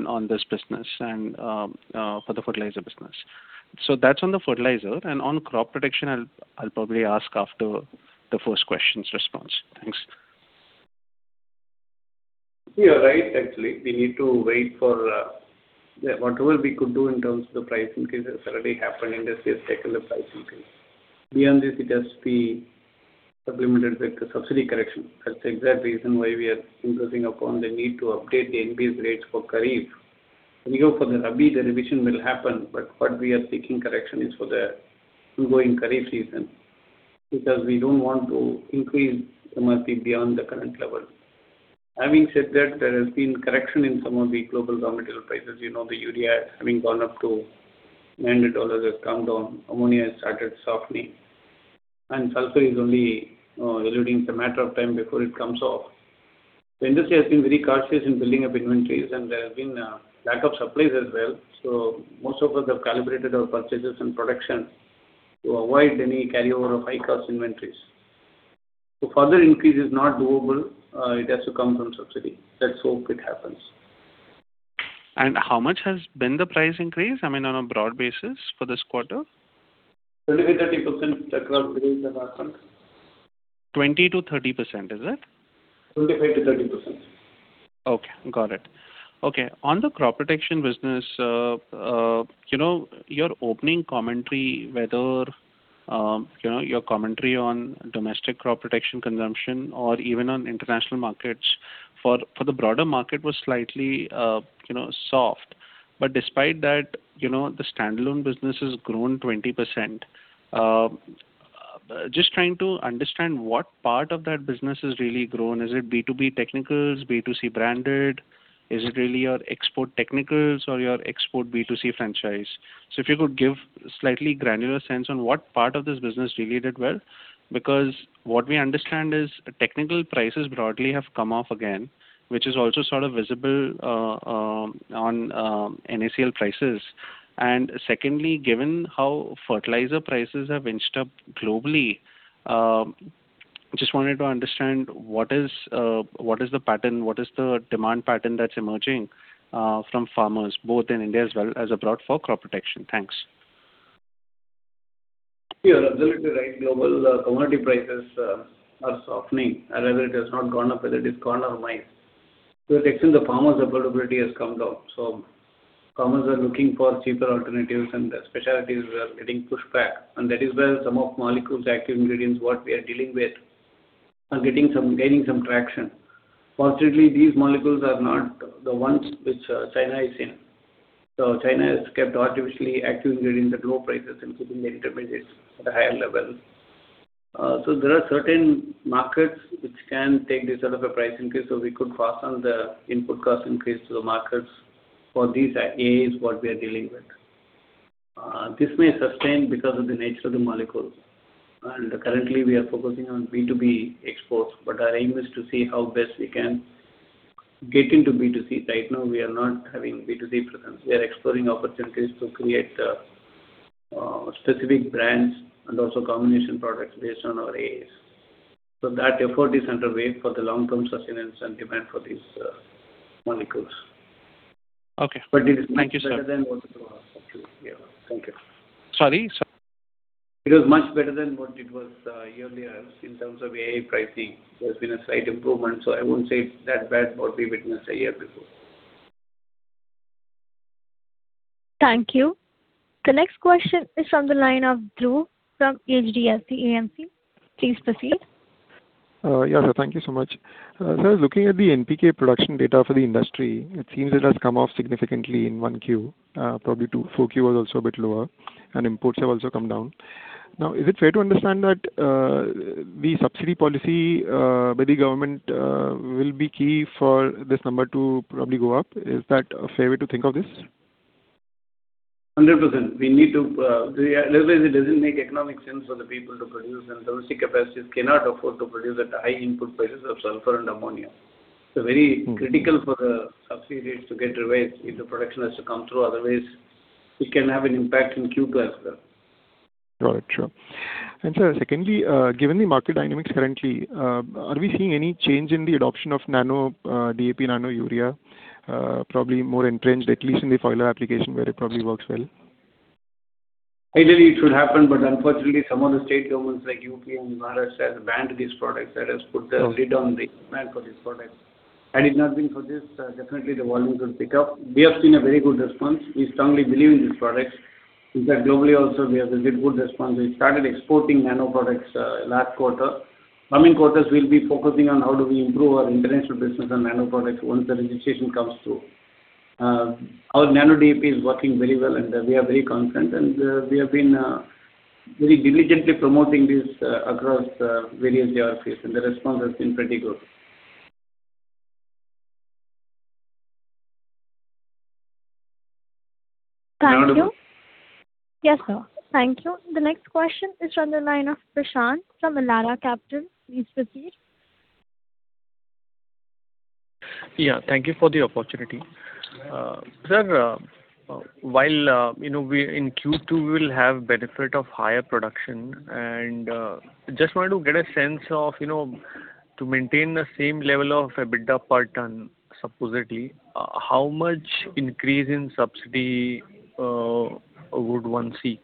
on this business and for the fertilizer business? That's on the fertilizer. On crop protection, I'll probably ask after the first question's response. Thanks. You're right, actually. We need to wait for whatever we could do in terms of the price increases already happened in the in the price increase. Beyond this, it has to be supplemented with the subsidy correction. That's the exact reason why we are insisting upon the need to update the NBS rates for Kharif. We hope for the Rabi, the revision will happen, but what we are seeking correction is for the ongoing Kharif season. We don't want to increase MRP beyond the current level. Having said that, there has been correction in some of the global raw material prices. The urea having gone up to $900 has come down. Ammonia has started softening, and sulfur is only eluding. It's a matter of time before it comes off. The industry has been very cautious in building up inventories, and there has been a lack of supplies as well. Most of us have calibrated our purchases and production to avoid any carryover of high-cost inventories. Further increase is not doable. It has to come from subsidy. Let's hope it happens. How much has been the price increase on a broad basis for this quarter? 25%, 30% across the range that happened. 20%-30%, is it? 25%-30%. Okay. Got it. Okay. On the crop protection business, your opening commentary, your commentary on domestic crop protection consumption or even on international markets for the broader market was slightly soft. Despite that, the standalone business has grown 20%. Just trying to understand what part of that business has really grown. Is it B2B technicals, B2C branded? Is it really your export technicals or your export B2C franchise? If you could give slightly granular sense on what part of this business really did well because what we understand is technical prices broadly have come off again, which is also sort of visible on NACL prices. Secondly, given how fertilizer prices have inched up globally, just wanted to understand what is the pattern, what is the demand pattern that's emerging from farmers both in India as well as abroad for crop protection. Thanks. You're absolutely right. Global commodity prices are softening. Wherever it has not gone up, whether it is corn or maize. To that extent, the farmers' affordability has come down. Farmers are looking for cheaper alternatives, and the specialties were getting pushed back. That is where some of molecules, active ingredients, what we are dealing with, are gaining some traction. Fortunately, these molecules are not the ones which China is in. China has kept artificially active during the low prices and keeping their intermediates at a higher level. There are certain markets which can take this sort of a price increase, so we could pass on the input cost increase to the markets for these AIs what we are dealing with. This may sustain because of the nature of the molecule. Currently, we are focusing on B2B exports, but our aim is to see how best we can get into B2C. Right now, we are not having B2C presence. We are exploring opportunities to create specific brands and also combination products based on our AIs. That effort is underway for the long-term sustenance and demand for these molecules. Okay. Thank you, sir. It is much better than what it was. Thank you. Sorry, sir. It was much better than what it was earlier in terms of AI pricing. There's been a slight improvement, so I wouldn't say it's that bad what we witnessed a year before. Thank you. The next question is from the line of Dhruv from Edelweiss AMC. Please proceed. Yeah. Thank you so much. Sir, looking at the NPK production data for the industry, it seems it has come off significantly in 1Q. Probably 4Q was also a bit lower, and imports have also come down. Now, is it fair to understand that the subsidy policy by the government will be key for this number to probably go up? Is that a fair way to think of this? 100%. Otherwise, it doesn't make economic sense for the people to produce, and domestic capacities cannot afford to produce at the high input prices of sulfur and ammonia. It's very critical for the subsidies to get revised if the production has to come through, otherwise, it can have an impact in Q2 as well. Got it. Sure. Sir, secondly, given the market dynamics currently, are we seeing any change in the adoption of DAP Nano Urea? Probably more entrenched, at least in the foliar application where it probably works well. Ideally, it should happen, unfortunately, some of the state governments like U.P. and Maharashtra have banned these products. That has put the lid on the demand for these products. Had it not been for this, definitely, the volume will pick up. We have seen a very good response. We strongly believe in these products. In fact, globally also, we have received good response. We started exporting nano products last quarter. Coming quarters, we'll be focusing on how do we improve our international business on nano products once the registration comes through. Our Nano DAP is working very well, and we are very confident, and we have been very diligently promoting this across various geographies, and the response has been pretty good. Thank you. Am I audible? Yes, sir. Thank you. The next question is from the line of Prashant from Elara Capital. Please proceed. Yeah, thank you for the opportunity. Sir, while in Q2 we will have benefit of higher production and just wanted to get a sense of, to maintain the same level of EBITDA per ton, supposedly, how much increase in subsidy would one seek?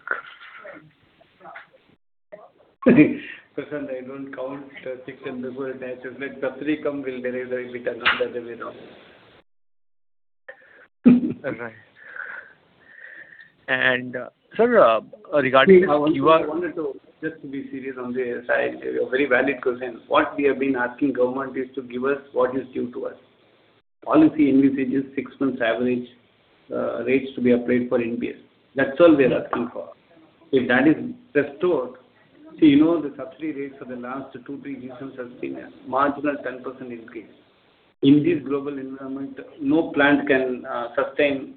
Prashant, I don't count six months average. If subsidy comes, we'll deliver the EBITDA, otherwise not. Right. Sir, regarding. I wanted to just be serious on this. A very valid question. What we have been asking government is to give us what is due to us. Policy envisages six months average rates to be applied for NBS. That's all we're asking for. If that is restored, see, the subsidy rates for the last two, three years has seen a marginal 10% increase. In this global environment, no plant can sustain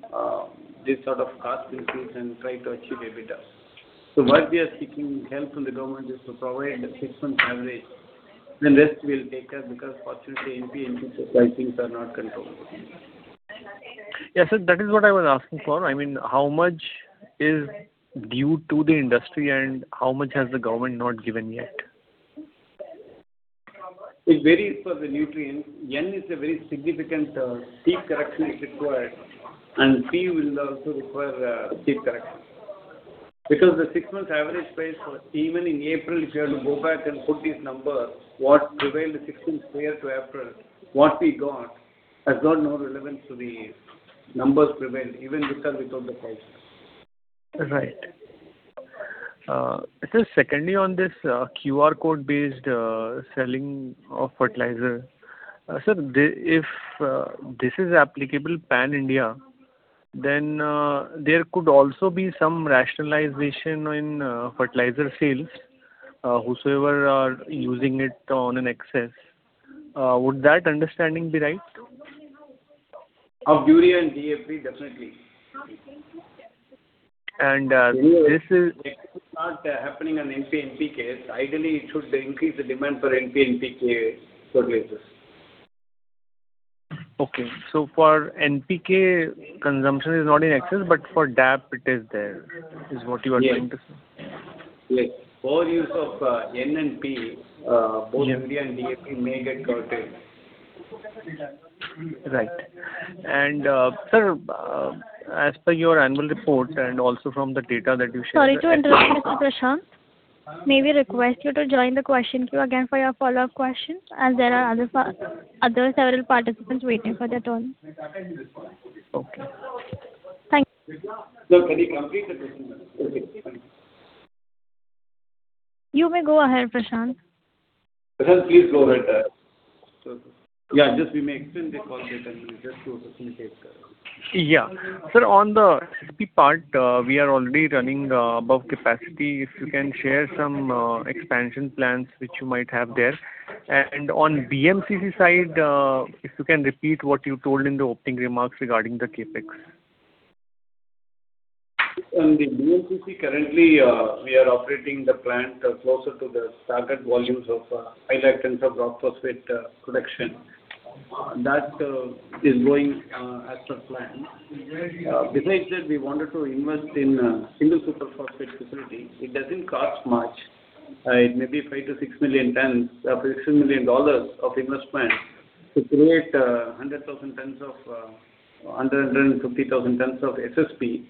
this sort of cost increase and try to achieve EBITDA. What we are seeking help from the government is to provide the six months average, the rest we'll take care because fortunately, NP and PK prices are not controllable. Yeah, sir, that is what I was asking for. I mean, how much is due to the industry and how much has the government not given yet? It varies for the nutrient. N is a very significant steep correction is required, and P will also require a steep correction because the six months average price for, even in April, if you have to go back and put these numbers, what prevailed the six months prior to April, what we got has got no relevance to the numbers prevailed even with or without the price. Right. Sir, secondly, on this QR code-based selling of fertilizer. Sir, if this is applicable pan-India, then there could also be some rationalization in fertilizer sales, whosoever are using it on an excess. Would that understanding be right? Of urea and DAP, definitely. And this is. It is not happening on NP and PK. Ideally, it should increase the demand for NP and PK fertilizers. Okay. For NPK, consumption is not in excess, but for DAP it is there, is what you are trying to say? Overuse of N and P, both urea and DAP may get curtailed. Right. Sir, as per your annual report and also from the data that you shared. Sorry to interrupt, Mr. Prashant. May we request you to join the question queue again for your follow-up question as there are other several participants waiting for their turn. Okay. Thank you. Sir, can he complete the question? Okay. You may go ahead, Prashant. Prashant, please go ahead. Yeah, we may extend the call later. We'll just go to the next caller. Yeah. Sir, on the part, we are already running above capacity. If you can share some expansion plans which you might have there. On BMCC side, if you can repeat what you told in the opening remarks regarding the CapEx. On the BMCC currently, we are operating the plant closer to the target volumes of high-grade rock phosphate production. That is going as per plan. Besides that, we wanted to invest in a single super phosphate facility. It doesn't cost much. It may be $5 million-$6 million of investment to create 150,000 tons of SSP.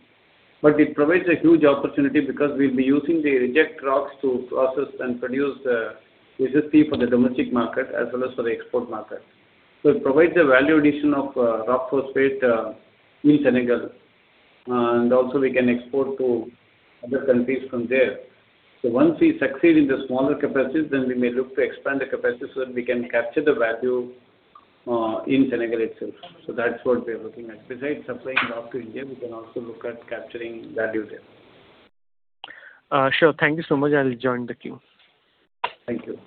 But it provides a huge opportunity because we'll be using the reject rocks to process and produce the SSP for the domestic market as well as for the export market. It provides a value addition of rock phosphate in Senegal, and also, we can export to other countries from there. Once we succeed in the smaller capacities, then we may look to expand the capacity so that we can capture the value in Senegal itself. That's what we are looking at. Besides supplying rock to India, we can also look at capturing value there. Sure. Thank you so much. I'll re-join the queue. Thank you.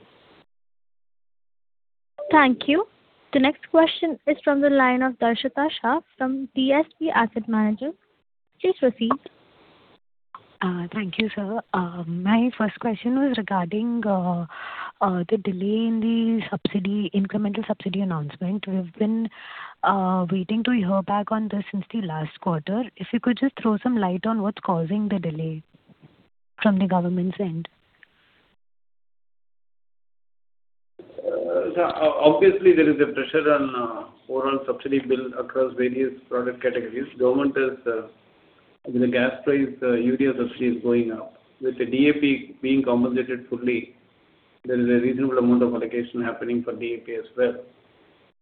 Thank you. The next question is from the line of Darshita Shah from DSP Asset Managers. Please proceed. Thank you, sir. My first question was regarding the delay in the incremental subsidy announcement. We've been waiting to hear back on this since the last quarter. If you could just throw some light on what's causing the delay from the government's end. Obviously, there is a pressure on overall subsidy bill across various product categories. With the gas price, urea subsidy is going up. With the DAP being compensated fully, there is a reasonable amount of allocation happening for DAP as well.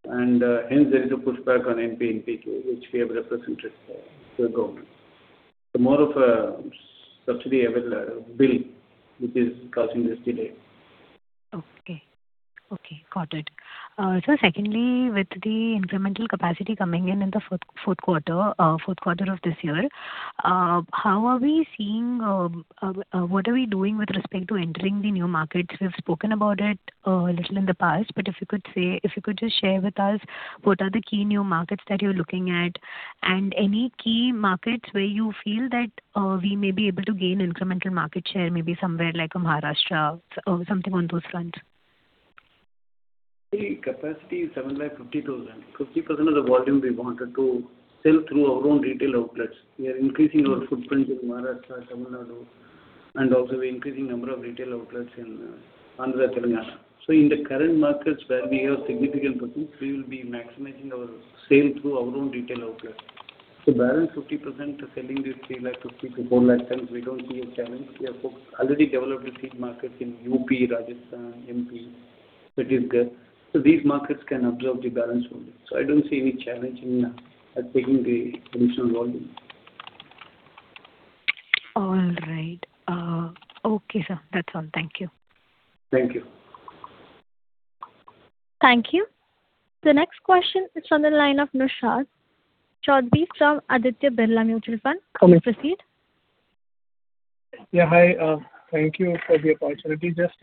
Hence, there is a pushback on NP and PK, which we have represented to the government. More of a subsidy bill which is causing this delay. Okay. Got it. Sir, secondly, with the incremental capacity coming in the fourth quarter of this year, what are we doing with respect to entering the new markets? We've spoken about it a little in the past, but if you could just share with us what are the key new markets that you're looking at, and any key markets where you feel that we may be able to gain incremental market share, maybe somewhere like Maharashtra or something on those fronts. The capacity is 750,000. 50% of the volume we wanted to sell through our own retail outlets. We are increasing our footprint in Maharashtra, Tamil Nadu, and also we're increasing number of retail outlets in Andhra, Telangana. In the current markets where we have significant presence, we will be maximizing our sale through, our own retail outlets. The balance 50% selling the 350,000-400,000 tons, we don't see a challenge. We have already developed a few markets in U.P., Rajasthan, M.P. that is good. These markets can absorb the balance volume. I don't see any challenge in taking the additional volume. All right. Okay, sir. That's all. Thank you. Thank you. Thank you. The next question is on the line of Naushad Chaudhary from Aditya Birla Mutual Fund. Please proceed. Yeah, hi. Thank you for the opportunity. Just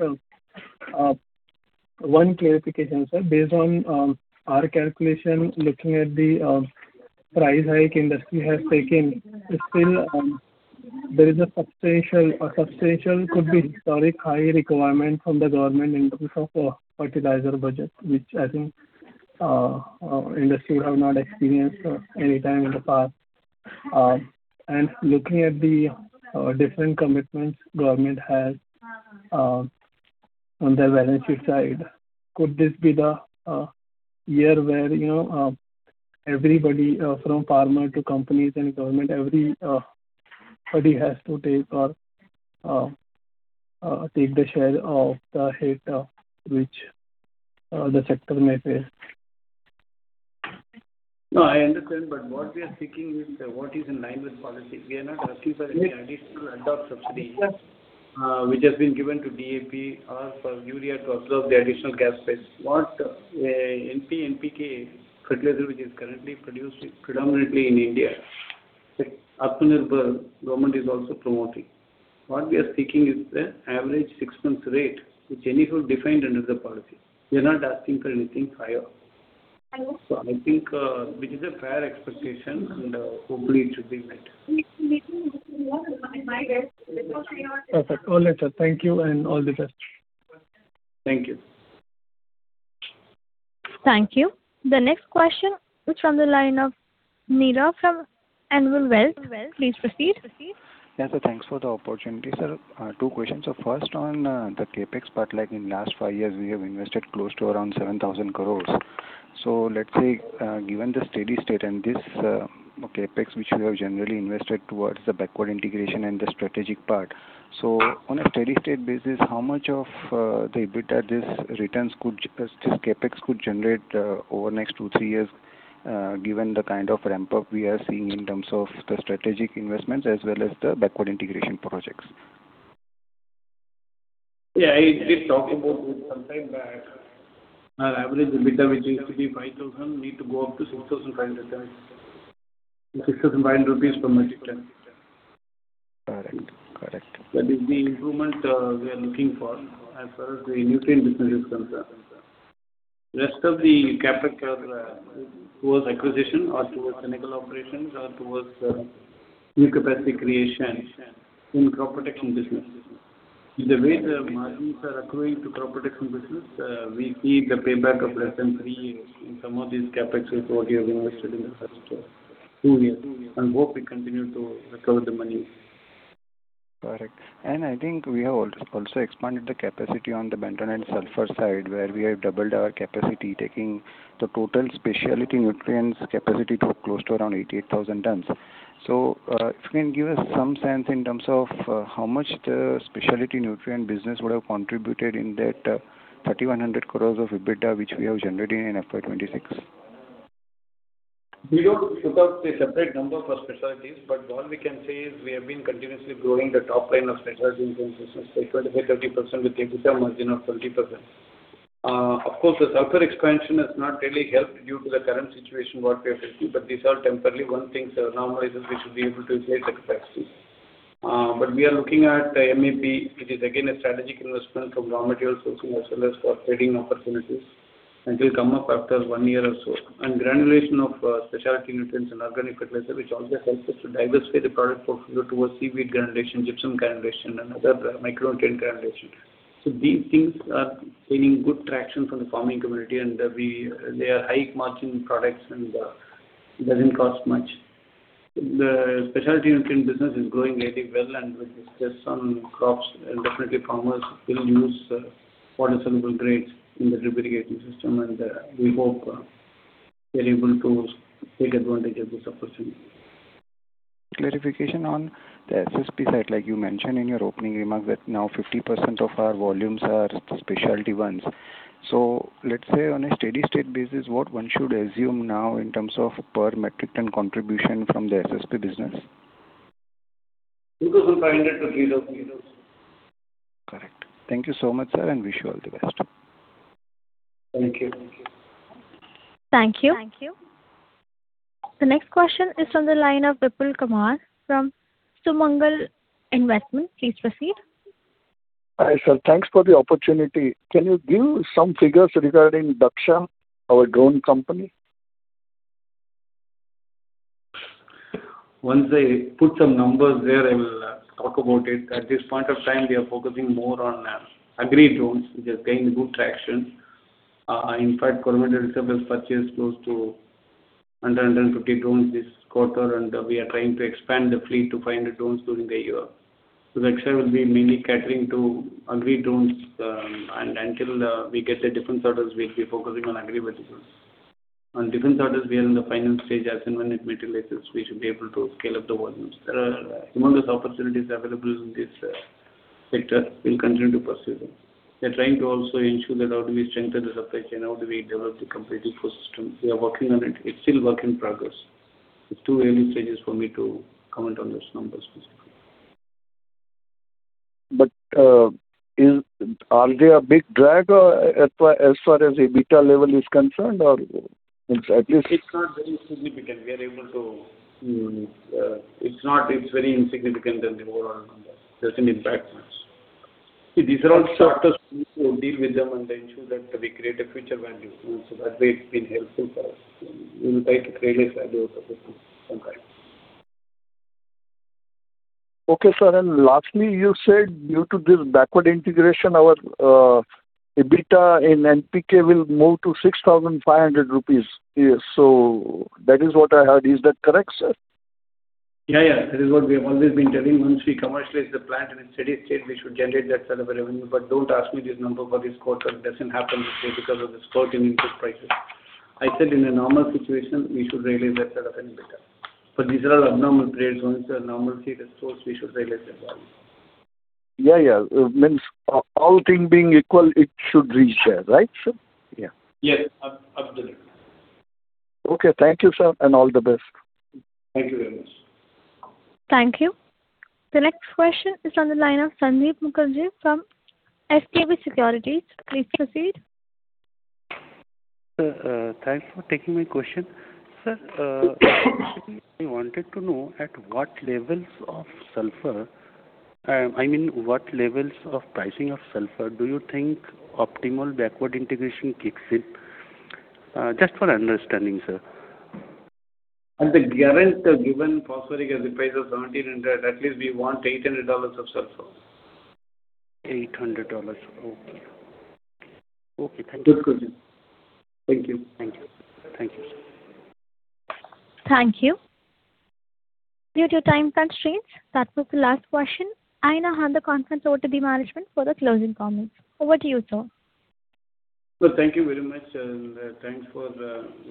one clarification, sir. Based on our calculation, looking at the price hike industry has taken, still there is a substantial, could be historic high requirement from the government in terms of fertilizer budget, which I think our industry have not experienced any time in the past. Looking at the different commitments government has on their side, could this be the year where everybody from farmer to companies and government, everybody has to take the share of the hit which the sector may face? I understand, but what we are seeking is what is in line with policy. We are not asking for any additional ad hoc subsidy which has been given to DAP or for urea to absorb the additional gas price. What NP and PK fertilizer, which is currently produced predominantly in India, Atmanirbhar, government is also promoting. What we are seeking is the average six months rate, which anyhow defined under the policy. We are not asking for anything higher. I think which is a fair expectation and hopefully, it should be met. Perfect. All right, sir. Thank you and all the best. Thank you. Thank you. The next question is from the line of Nirav from Anvil Wealth. Please proceed. Yeah, sir. Thanks for the opportunity, sir. Two questions. First on the CapEx part, like in last five years, we have invested close to around 7,000 crore. Let's say, given the steady state and this CapEx, which we have generally invested towards the backward integration and the strategic part, so on a steady state basis, how much of the EBITDA this CapEx could generate over next two, three years given the kind of ramp up we are seeing in terms of the strategic investments as well as the backward integration projects? I did talk about this sometime back. Our average EBITDA, which used to be 5,000, need to go up to 6,500 rupees per metric ton. Correct. That is the improvement we are looking for as far as the nutrient business is concerned. Rest of the CapEx are towards acquisition or towards chemical operations or towards new capacity creation in crop protection business. The way the margins are accruing to crop protection business, we see the payback of less than three years in some of these CapEx what we have invested in the first two years and hope we continue to recover the money. Correct. I think we have also expanded the capacity on the bentonite sulphur side, where we have doubled our capacity taking the total speciality nutrients capacity to close to around 88,000 tons. If you can give us some sense in terms of how much the speciality nutrient business would have contributed in that 3,100 crore of EBITDA, which we have generated in FY 2026. We don't put out the separate number for specialties, but what we can say is we have been continuously growing the top line of speciality nutrients business by 25%-30% with EBITDA margin of 20%. Of course, the sulfur expansion has not really helped due to the current situation, what we are facing, but these are temporary. Once things are normalized, we should be able to inflate the capacity. But we are looking at MAP, which is again, a strategic investment for raw material sourcing as well as for trading opportunities and will come up after one year or so. And granulation of speciality nutrients and organic fertilizer, which also helps us to diversify the product portfolio towards seaweed granulation, gypsum granulation, and other micronutrient granulation. These things are gaining good traction from the farming community, and they are high-margin products, and doesn't cost much. The speciality nutrient business is growing really well. With this stress on crops, definitely, farmers will use water-soluble grades in the drip irrigation system, and we hope we are able to take advantage of this opportunity. Clarification on the SSP side. Like you mentioned in your opening remark that now 50% of our volumes are the specialty ones. Let's say on a steady state basis, what one should assume now in terms of per metric ton contribution from the SSP business? INR 2,500-INR 3,000. Correct. Thank you so much, sir. Wish you all the best. Thank you. Thank you. The next question is on the line of Vipul Kumar from Sumangal Investments. Please proceed. Hi, sir. Thanks for the opportunity. Can you give some figures regarding Dhaksha, our drone company? Once I put some numbers there, I will talk about it. At this point of time, we are focusing more on agri-drones, which is gaining good traction. In fact, Coromandel purchased close to 100, 150 drones this quarter, and we are trying to expand the fleet to 500 drones during the year. Dhaksha will be mainly catering to agri-drones, and until we get the defense orders, we'll be focusing on agri verticals. On defense orders, we are in the final stage. As and when it materializes, we should be able to scale up the volumes. There are numerous opportunities available in this sector. We'll continue to pursue them. We are trying to also ensure that how do we strengthen the supply chain, how do we develop the complete ecosystem. We are working on it. It's still work in progress. It's too early stages for me to comment on those numbers specifically. But are they a big drag as far as the EBITDA level is concerned? Or at least? It's not very significant. It's very insignificant in the overall number. It doesn't impact much. See, these are all startups. We need to deal with them and ensure that we create a future value. That way it's been helpful for us. We will try to create a value out of it of some kind. Okay, sir. Lastly, you said due to this backward integration, our EBITDA in NPK will move to 6,500 rupees. That is what I heard. Is that correct, sir? Yeah. That is what we have always been telling. Once we commercialize the plant in a steady state, we should generate that kind of a revenue. Don't ask me this number for this quarter. It doesn't happen this way because of the spurt in input prices. I said in a normal situation, we should realize that kind of an EBITDA. But these are all abnormal trades. Once they are normalcy restores, we should realize that value. Yeah. It means all things being equal, it should reach there, right, sir? Yes, absolutely. Okay. Thank you, sir, and all the best. Thank you very much. Thank you. The next question is on the line of Sandeep Mukherjee from SKP Securities. Please proceed. Sir, thanks for taking my question. Sir, initially, I wanted to know at what levels of pricing of sulfur do you think optimal backward integration kicks in? Just for understanding, sir. At the guaranteed, given phosphoric at the price of $1,700, at least we want $800 of sulfur. $800. Okay. Thank you. That's good. Thank you. Thank you, sir. Thank you. Due to time constraints, that was the last question. I now hand the conference over to the management for the closing comments. Over to you, sir. So, thank you very much. Thanks for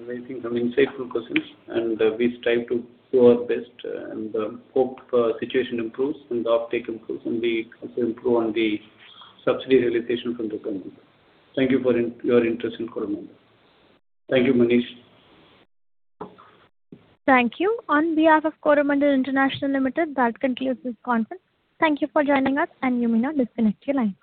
raising some insightful questions, and we strive to do our best and hope the situation improves and the uptake improves, and we also improve on the subsidy realization from the government. Thank you for your interest in Coromandel. Thank you, Manish. Thank you. On behalf of Coromandel International Limited, that concludes this conference. Thank you for joining us, and you may now disconnect your lines.